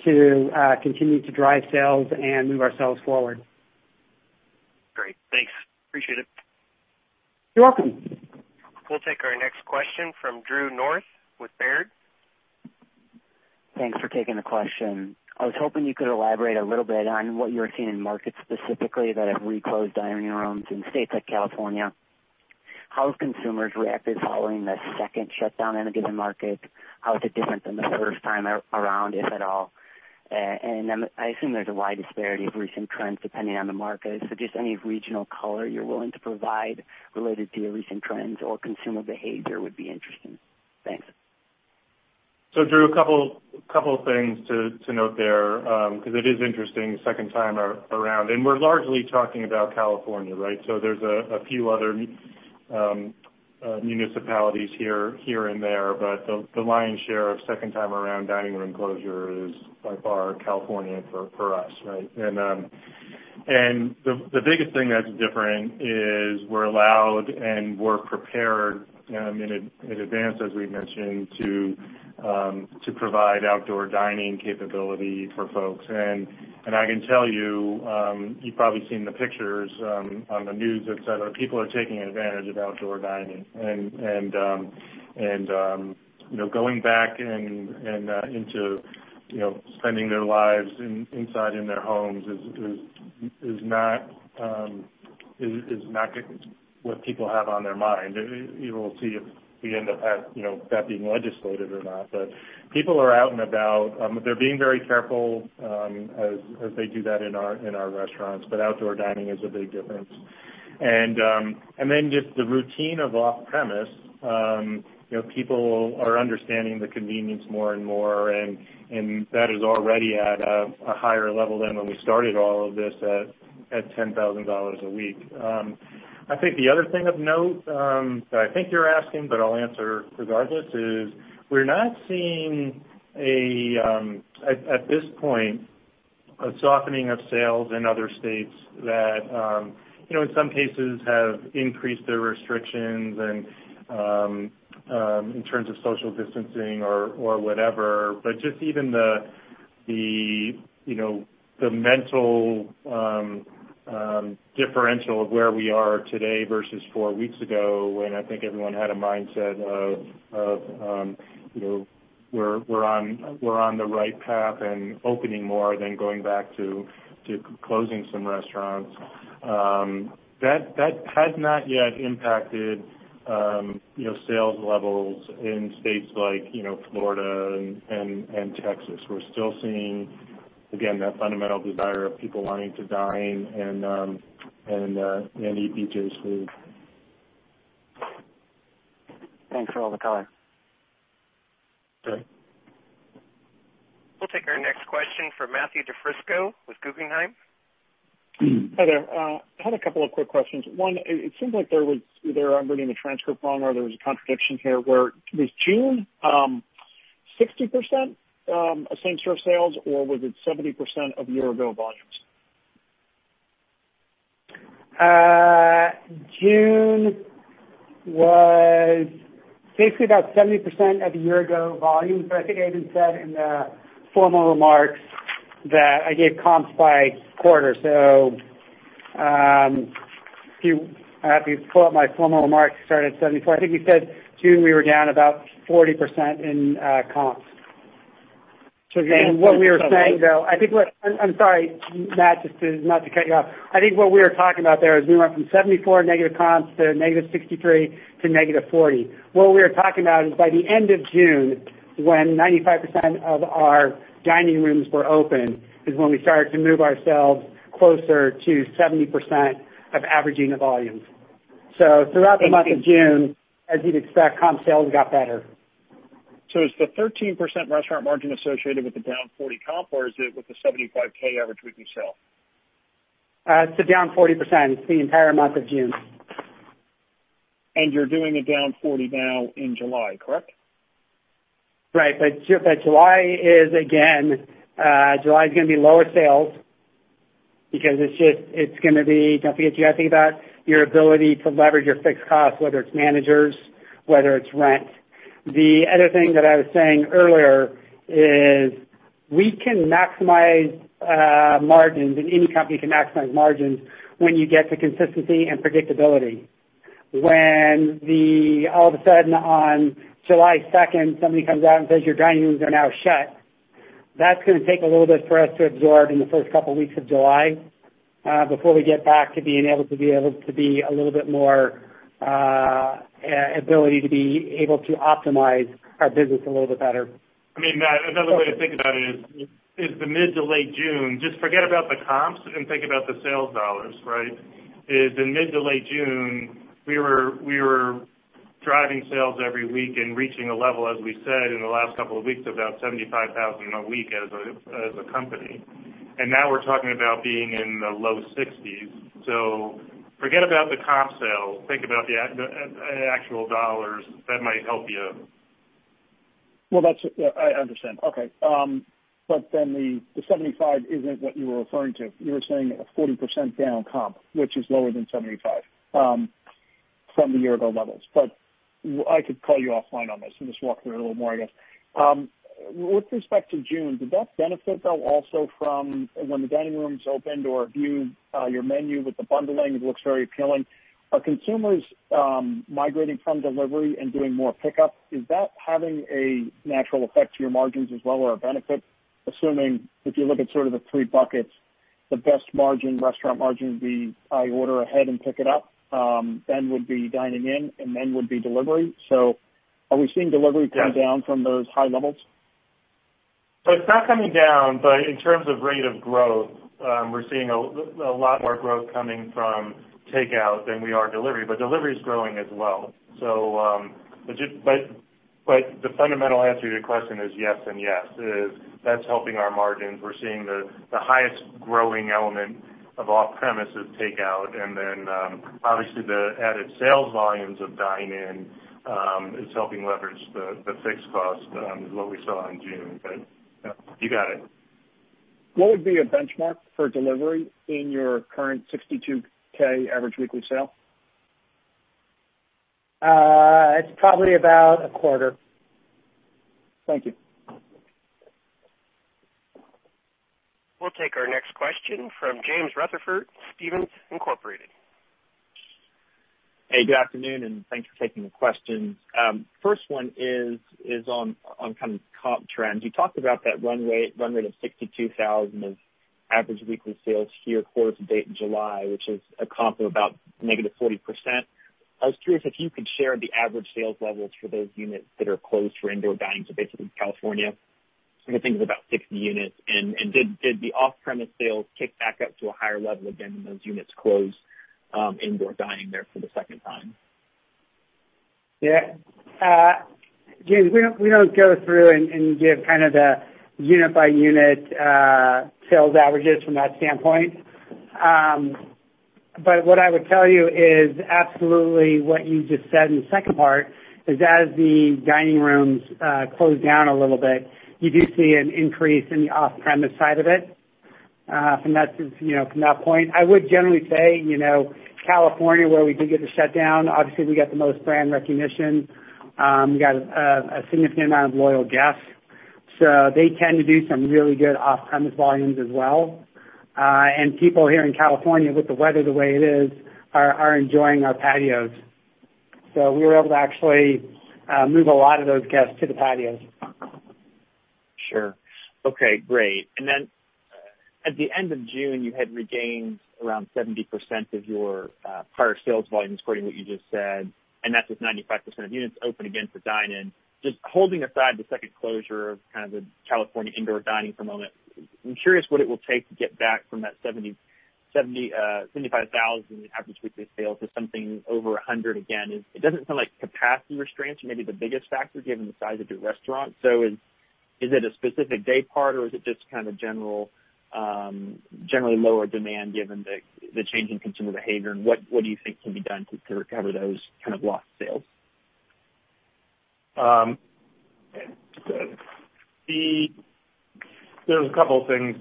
to continue to drive sales and move ourselves forward. Great. Thanks. Appreciate it. You're welcome. We'll take our next question from Drew North with Baird. Thanks for taking the question. I was hoping you could elaborate a little bit on what you're seeing in markets specifically that have re-closed dining rooms in states like California. How have consumers reacted following the second shutdown in a given market? How is it different than the first time around, if at all? I assume there's a wide disparity of recent trends depending on the market. Just any regional color you're willing to provide related to your recent trends or consumer behavior would be interesting. Thanks. Drew, a couple things to note there, because it is interesting the second time around, and we're largely talking about California, right? There's a few other municipalities here and there, but the lion's share of second time around dining room closure is by far California for us, right? The biggest thing that's different is we're allowed and we're prepared in advance, as we've mentioned, to provide outdoor dining capability for folks. I can tell you've probably seen the pictures on the news, et cetera, people are taking advantage of outdoor dining. Going back into spending their lives inside in their homes is not what people have on their mind. We will see if we end up that being legislated or not, but people are out and about. They're being very careful as they do that in our restaurants, but outdoor dining is a big difference. Then just the routine of off-premise. People are understanding the convenience more and more, and that is already at a higher level than when we started all of this at $10,000 a week. I think the other thing of note that I think you're asking, but I'll answer regardless, is we're not seeing, at this point, a softening of sales in other states that in some cases, have increased their restrictions in terms of social distancing or whatever. Just even the mental differential of where we are today versus four weeks ago, when I think everyone had a mindset of we're on the right path and opening more than going back to closing some restaurants. That has not yet impacted sales levels in states like Florida and Texas. We're still seeing, again, that fundamental desire of people wanting to dine and eat BJ's food. Thanks for all the color. Sure. We'll take our next question from Matthew DiFrisco with Guggenheim. Hi there. I had a couple of quick questions. One, it seems like either I'm reading the transcript wrong or there was a contradiction here where, was June 60% of same store sales or was it 70% of year ago volumes? June was basically about 70% of year ago volumes, but I think Aiden said in the formal remarks that I gave comps by quarter. If you pull up my formal remarks, start at 74. I think we said June we were down about 40% in comps. Again, what we were saying, though, I'm sorry, Matt, not to cut you off. I think what we were talking about there is we went from 74 negative comps to negative 63 to negative 40. What we were talking about is by the end of June, when 95% of our dining rooms were open, is when we started to move ourselves closer to 70% of averaging the volumes. Throughout the month of June, as you'd expect, comp sales got better. Is the 13% restaurant margin associated with the down 40 comp, or is it with the 75K average weekly sale? It's the down 40%. It's the entire month of June. You're doing a down 40 now in July, correct? July is going to be lower sales because you have to think about your ability to leverage your fixed costs, whether it's managers, whether it's rent. The other thing that I was saying earlier is any company can maximize margins when you get to consistency and predictability. When all of a sudden on July 2nd, somebody comes out and says, "Your dining rooms are now shut," that's going to take a little bit for us to absorb in the first couple of weeks of July before we get back to being able to be a little bit more ability to be able to optimize our business a little bit better. Matt, another way to think about it is the mid to late June, just forget about the comps and think about the sales dollars. Right? Is in mid to late June, we were driving sales every week and reaching a level, as we said in the last couple of weeks, of about 75,000 a week as a company. Now we're talking about being in the low 60s. Forget about the comp sale, think about the actual dollars. That might help you. I understand. Okay. The 75 isn't what you were referring to. You were saying a 40% down comp, which is lower than 75 from the year ago levels. I could call you offline on this and just walk through it a little more, I guess. With respect to June, did that benefit also from when the dining rooms opened, or viewed your menu with the bundling, it looks very appealing. Are consumers migrating from delivery and doing more pickup? Is that having a natural effect to your margins as well, or a benefit, assuming if you look at sort of the three buckets, the best restaurant margin would be I order ahead and pick it up, then would be dining in, and then would be delivery. Are we seeing delivery come down from those high levels? It's not coming down, but in terms of rate of growth, we're seeing a lot more growth coming from takeout than we are delivery. Delivery is growing as well. The fundamental answer to your question is yes and yes. That's helping our margins. We're seeing the highest growing element of off-premises takeout, and then obviously the added sales volumes of dine in is helping leverage the fixed cost is what we saw in June. You got it. What would be a benchmark for delivery in your current $62K average weekly sale? It's probably about a quarter. Thank you. We'll take our next question from James Rutherford, Stephens Inc.. Hey, good afternoon. Thanks for taking the questions. First one is on kind of comp trends. You talked about that run rate of 62,000 of average weekly sales year-to-date in July, which is a comp of about negative 40%. I was curious if you could share the average sales levels for those units that are closed for indoor dining, so basically California. I think it was about 60 units. Did the off-premise sales tick back up to a higher level again when those units closed indoor dining there for the second time? Yeah. James, we don't go through and give kind of the unit by unit sales averages from that standpoint. What I would tell you is absolutely what you just said in the second part is as the dining rooms close down a little bit, you do see an increase in the off-premise side of it. From that point. I would generally say, California, where we did get the shutdown, obviously, we got the most brand recognition. We got a significant amount of loyal guests. They tend to do some really good off-premise volumes as well. People here in California, with the weather the way it is, are enjoying our patios. We were able to actually move a lot of those guests to the patios. Sure. Okay, great. At the end of June, you had regained around 70% of your prior sales volumes, according to what you just said, and that's with 95% of units open again for dine-in. Just holding aside the second closure of the California indoor dining for a moment, I'm curious what it will take to get back from that $75,000 in average weekly sales to something over $100 again. It doesn't sound like capacity restraints are maybe the biggest factor, given the size of your restaurants. Is it a specific day part, or is it just generally lower demand given the change in consumer behavior? What do you think can be done to recover those lost sales? There's a couple things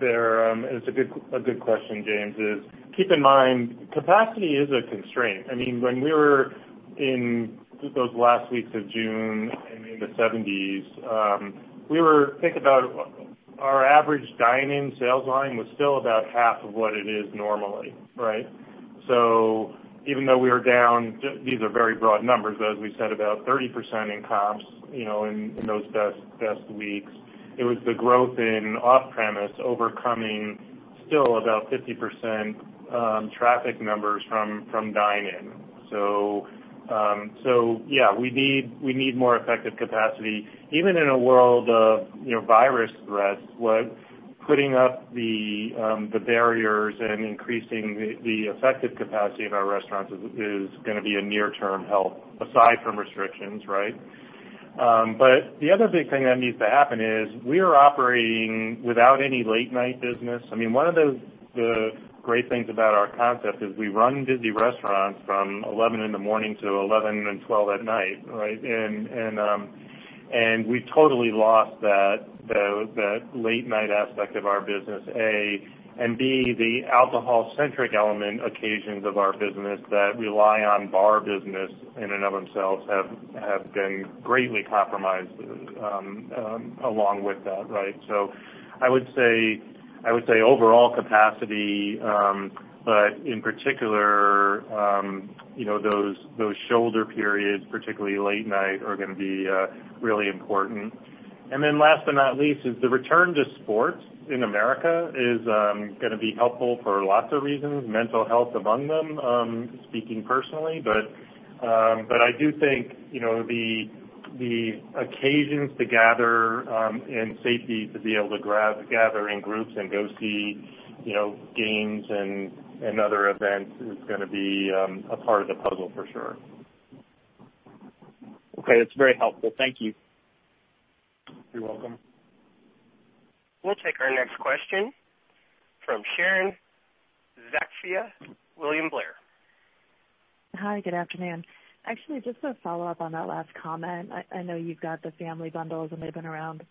there. It's a good question, James. Keep in mind, capacity is a constraint. When we were in those last weeks of June and in the 70s, think about our average dine-in sales line was still about half of what it is normally. Even though we were down, these are very broad numbers, as we said, about 30% in comps in those best weeks, it was the growth in off-premise overcoming still about 50% traffic numbers from dine-in. Yeah, we need more effective capacity. Even in a world of virus threats, putting up the barriers and increasing the effective capacity of our restaurants is going to be a near-term help, aside from restrictions. The other big thing that needs to happen is we are operating without any late-night business. One of the great things about our concept is we run busy restaurants from 11 in the morning to 11 and 12 at night. We totally lost that late-night aspect of our business, A, and B, the alcohol-centric element occasions of our business that rely on bar business in and of themselves have been greatly compromised along with that. I would say overall capacity, but in particular, those shoulder periods, particularly late night, are going to be really important. Last but not least is the return to sports in America is going to be helpful for lots of reasons, mental health among them, speaking personally. I do think the occasions to gather and safety to be able to gather in groups and go see games and other events is going to be a part of the puzzle for sure. Okay. That's very helpful. Thank you. You're welcome. We'll take our next question from Sharon Zackfia, William Blair. Hi, good afternoon. Actually, just to follow up on that last comment, I know you've got the family bundles, and they've been around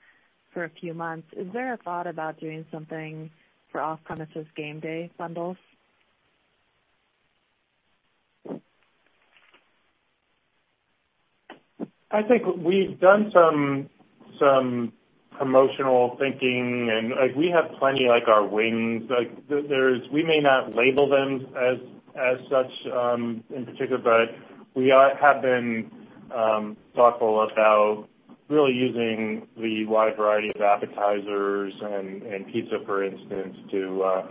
for a few months. Is there a thought about doing something for off-premises game day bundles? I think we've done some promotional thinking, and we have plenty, like our wings. We may not label them as such in particular, but we have been thoughtful about really using the wide variety of appetizers and pizza, for instance, to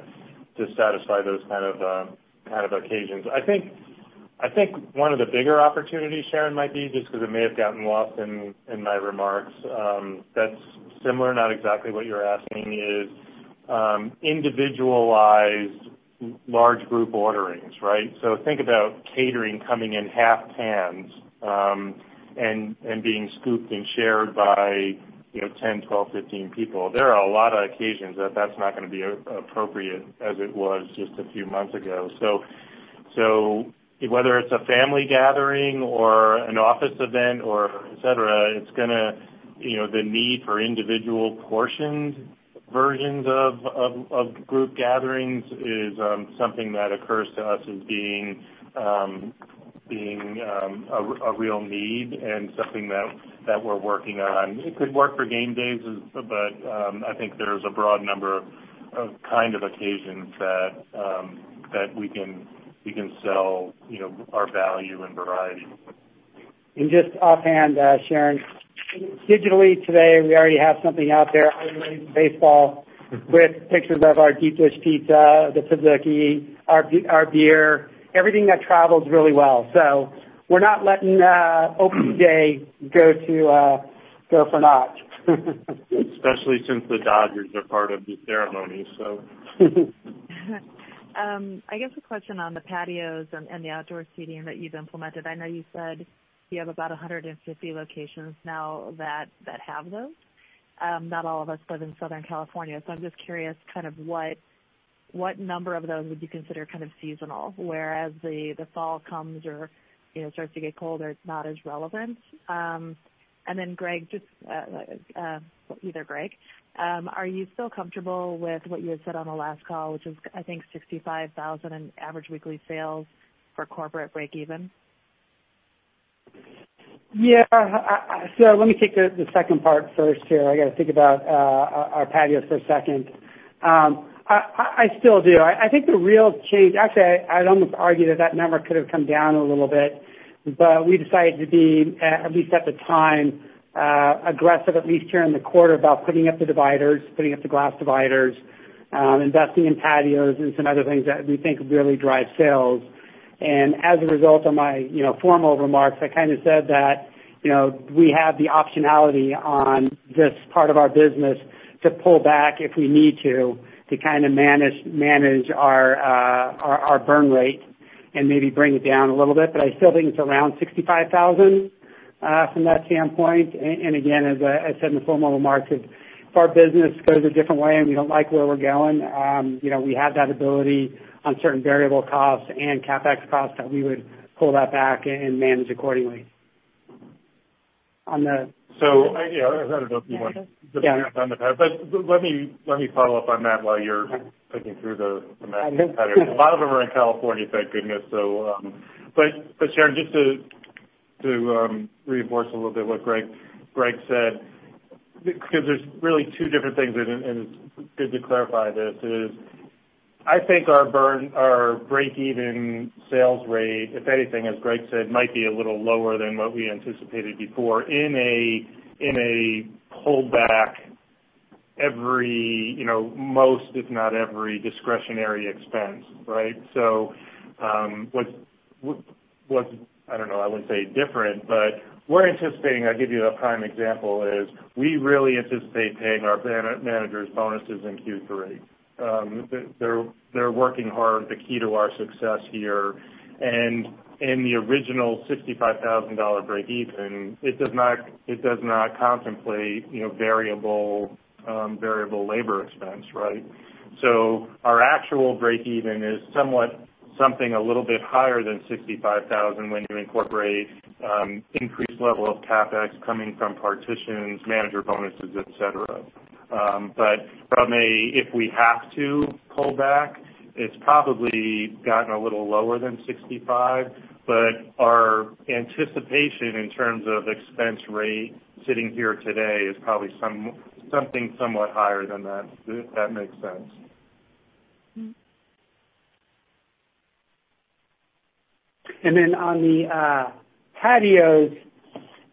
satisfy those kind of occasions. I think one of the bigger opportunities, Sharon, might be, just because it may have gotten lost in my remarks, that's similar, not exactly what you're asking, is individualized large group orderings. Think about catering coming in half pans and being scooped and shared by 10, 12, 15 people. There are a lot of occasions that that's not going to be appropriate, as it was just a few months ago. Whether it's a family gathering or an office event or et cetera, the need for individual portions, versions of group gatherings, is something that occurs to us as being a real need and something that we're working on. It could work for game days, but I think there's a broad number of occasions that we can sell our value and variety. Just offhand, Sharon, digitally today, we already have something out there honoring baseball with pictures of our deep dish pizza, the Pizookie, our beer, everything that travels really well. We're not letting opening day go for naught. Especially since the Dodgers are part of the ceremony. I guess a question on the patios and the outdoor seating that you've implemented. I know you said you have about 150 locations now that have those. Not all of us live in Southern California, so I'm just curious. What number of those would you consider seasonal, where as the fall comes or it starts to get colder, it's not as relevant? Greg, either Greg, are you still comfortable with what you had said on the last call, which was, I think, 65,000 in average weekly sales for corporate breakeven? Yeah. Let me take the second part first here. I got to think about our patios for a second. I still do. I think the real change, actually, I'd almost argue that number could've come down a little bit. We decided to be, at least at the time, aggressive, at least here in the quarter, about putting up the dividers, putting up the glass dividers, investing in patios and some other things that we think really drive sales. As a result of my formal remarks, I said that we have the optionality on this part of our business to pull back if we need to manage our burn rate and maybe bring it down a little bit. I still think it's around $65,000 from that standpoint. Again, as I said in the formal remarks, if our business goes a different way and we don't like where we're going, we have that ability on certain variable costs and CapEx costs that we would pull that back and manage accordingly. I don't know if you want to jump on the P&L, let me follow up on that while you're thinking through the math pattern. A lot of them are in California, thank goodness. Sharon, just to reinforce a little bit what Greg said, because there's really two different things, and it's good to clarify this, is I think our breakeven sales rate, if anything, as Greg said, might be a little lower than what we anticipated before in a pullback every, most, if not every discretionary expense. Right? I wouldn't say different, but we're anticipating, I'll give you a prime example is we really anticipate paying our managers bonuses in Q3. They're working hard, the key to our success here. In the original $65,000 breakeven, it does not contemplate variable labor expense, right? Our actual breakeven is somewhat something a little bit higher than $65,000 when you incorporate increased level of CapEx coming from partitions, manager bonuses, et cetera. From a, if we have to pull back, it's probably gotten a little lower than $65,000, but our anticipation in terms of expense rate sitting here today is probably something somewhat higher than that, if that makes sense. On the patios,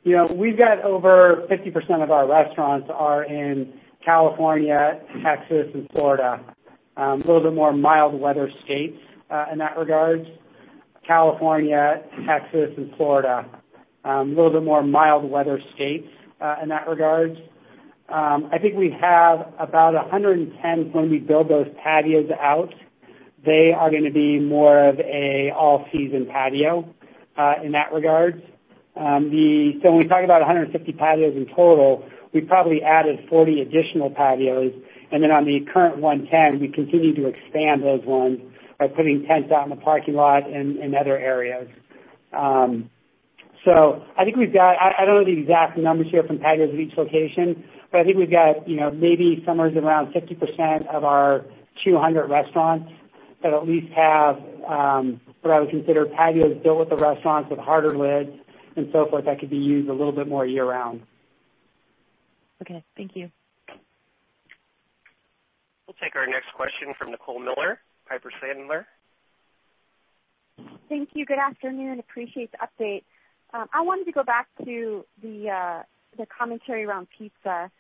we've got over 50% of our restaurants are in California, Texas, and Florida. A little bit more mild weather states, in that regards. California, Texas, and Florida. A little bit more mild weather states, in that regards. I think we have about 110 when we build those patios out. They are going to be more of a all-season patio, in that regards. When we talk about 150 patios in total, we probably added 40 additional patios. On the current 110, we continue to expand those ones by putting tents out in the parking lot and other areas. I think we've got, I don't know the exact numbers here from patios at each location, but I think we've got, maybe somewhere around 50% of our 200 restaurants that at least have, what I would consider patios built with the restaurants with harder lids and so forth that could be used a little bit more year-round. Okay. Thank you. We'll take our next question from Nicole Miller, Piper Sandler. Thank you. Good afternoon. Appreciate the update. I wanted to go back to the commentary around pizza.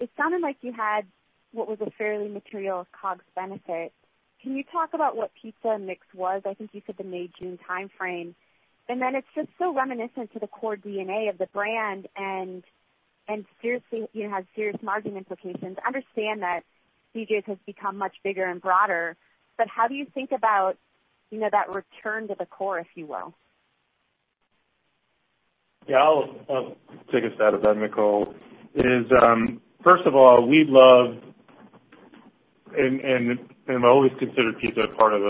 It sounded like you had what was a fairly material COGS benefit. Can you talk about what pizza mix was? I think you said the May/June timeframe. Then it's just so reminiscent to the core DNA of the brand and seriously, you have serious margin implications. I understand that BJ's has become much bigger and broader, but how do you think about that return to the core, if you will? Yeah, I'll take a stab at that, Nicole. First of all, we love and have always considered pizza part of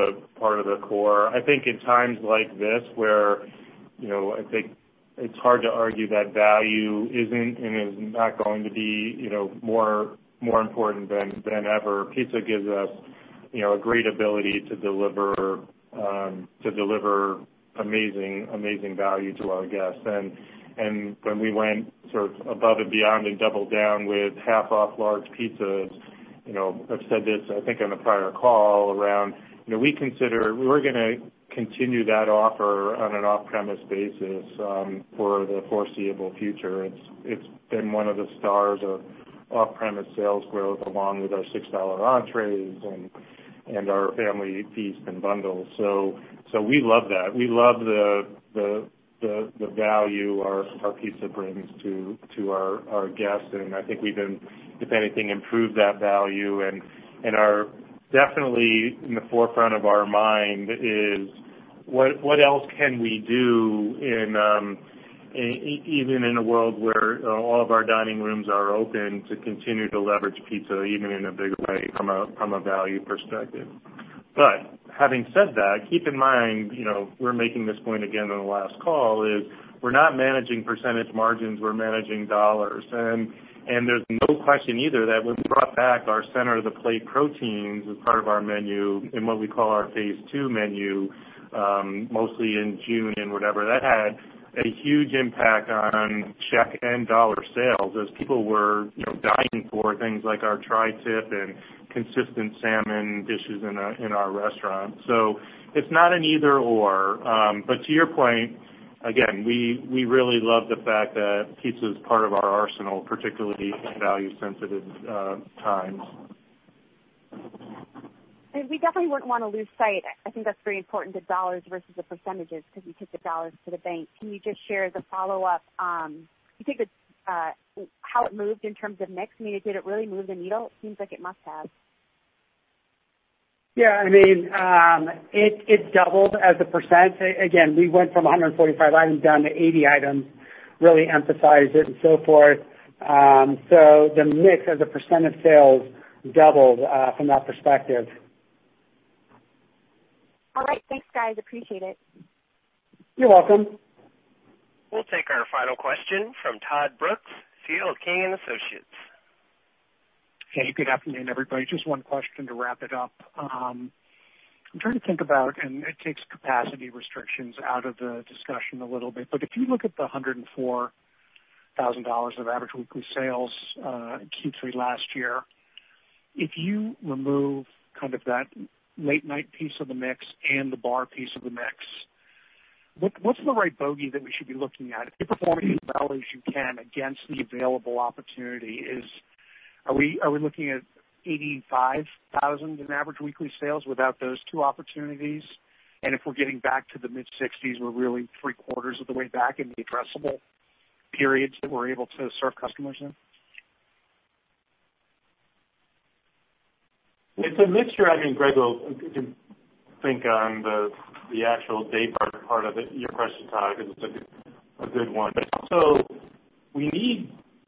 the core. I think in times like this where, I think it's hard to argue that value isn't and is not going to be more important than ever. Pizza gives us a great ability to deliver amazing value to our guests. And when we went above and beyond and doubled down with half-off large pizzas, I've said this, I think on the prior call around, we're going to continue that offer on an off-premise basis for the foreseeable future. It's been one of the stars of off-premise sales growth along with our $6 entrees and our family feast and bundles. So we love that. We love the value our pizza brings to our guests. I think we've, if anything, improved that value, and are definitely in the forefront of our mind is, what else can we do, even in a world where all of our dining rooms are open, to continue to leverage pizza even in a bigger way from a value perspective? Having said that, keep in mind, we're making this point again on the last call, is, we're not managing percentage margins, we're managing dollars. There's no question either that when we brought back our center-of-the-plate proteins as part of our menu in what we call our phase II menu, mostly in June and whatever, that had a huge impact on check and dollar sales as people were dying for things like our Tri-Tip and consistent salmon dishes in our restaurant. It's not an either/or. To your point, again, we really love the fact that pizza is part of our arsenal, particularly in value-sensitive times. We definitely wouldn't want to lose sight. I think that's very important, the dollars versus the percentages, because you took the dollars to the bank. Can you just share as a follow-up, do you think how it moved in terms of mix? I mean, did it really move the needle? It seems like it must have. Yeah, it doubled as a %. Again, we went from 145 items down to 80 items, really emphasized it and so forth. The mix as a percent of sales doubled from that perspective. All right. Thanks, guys. Appreciate it. You're welcome. We'll take our final question from Todd Brooks, C.L. King & Associates. Okay. Good afternoon, everybody. Just one question to wrap it up. I'm trying to think about, and it takes capacity restrictions out of the discussion a little bit, but if you look at the $104,000 of average weekly sales in Q3 last year, if you remove that late-night piece of the mix and the bar piece of the mix, what's the right bogey that we should be looking at? If you're performing as well as you can against the available opportunity, are we looking at $85,000 in average weekly sales without those two opportunities? If we're getting back to the mid-60s, we're really three-quarters of the way back in the addressable periods that we're able to serve customers in? It's a mixture. Greg will think on the actual day part of it. Your question, Todd, is a good one. Also,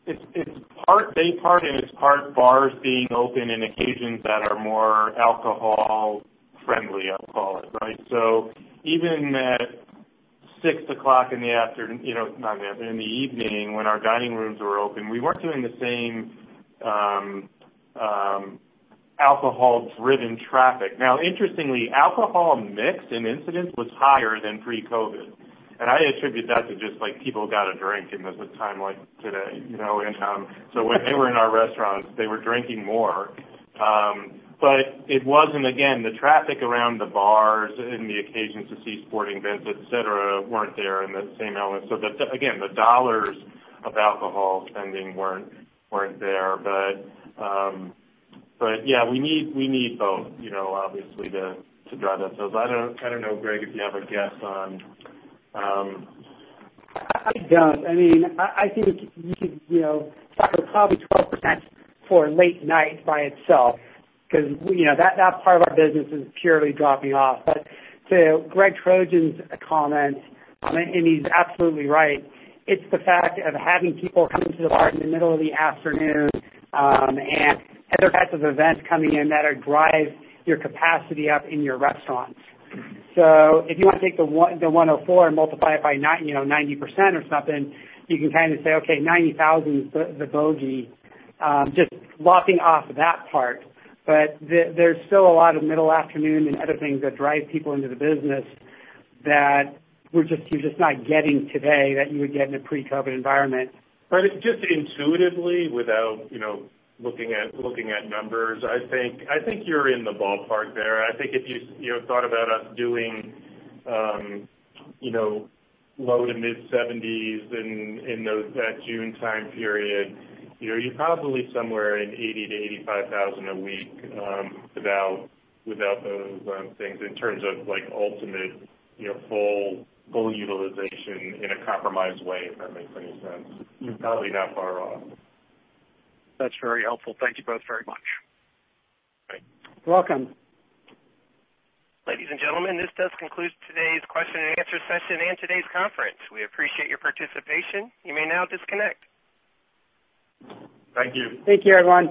it's part daypart and it's part bars being open and occasions that are more alcohol friendly, I'll call it, right? Even at 6:00 in the evening, when our dining rooms were open, we weren't doing the same alcohol-driven traffic. Now, interestingly, alcohol mix and incidence was higher than pre-COVID, and I attribute that to just people got a drink and there's a time like today. When they were in our restaurants, they were drinking more. It wasn't, again, the traffic around the bars and the occasions to see sporting events, et cetera, weren't there in the same element. Again, the dollars of alcohol spending weren't there. Yeah, we need both, obviously, to drive ourselves. I don't know, Greg, if you have a guess on. I don't. I think you could factor probably 12% for late night by itself because that part of our business is purely dropping off. To Greg Trojan's comment, and he's absolutely right, it's the fact of having people come into the bar in the middle of the afternoon, and other types of events coming in that drive your capacity up in your restaurants. If you want to take the 104 and multiply it by 90% or something, you can say, okay, 90,000's the bogey, just lopping off that part. There's still a lot of middle afternoon and other things that drive people into the business that you're just not getting today that you would get in a pre-COVID environment. Just intuitively, without looking at numbers, I think you're in the ballpark there. I think if you thought about us doing low to mid-70s in that June time period, you're probably somewhere in 80,000-85,000 a week without those things in terms of ultimate full utilization in a compromised way, if that makes any sense. You're probably not far off. That's very helpful. Thank you both very much. Great. Welcome. Ladies and gentlemen, this does conclude today's question and answer session and today's conference. We appreciate your participation. You may now disconnect. Thank you. Thank you, everyone.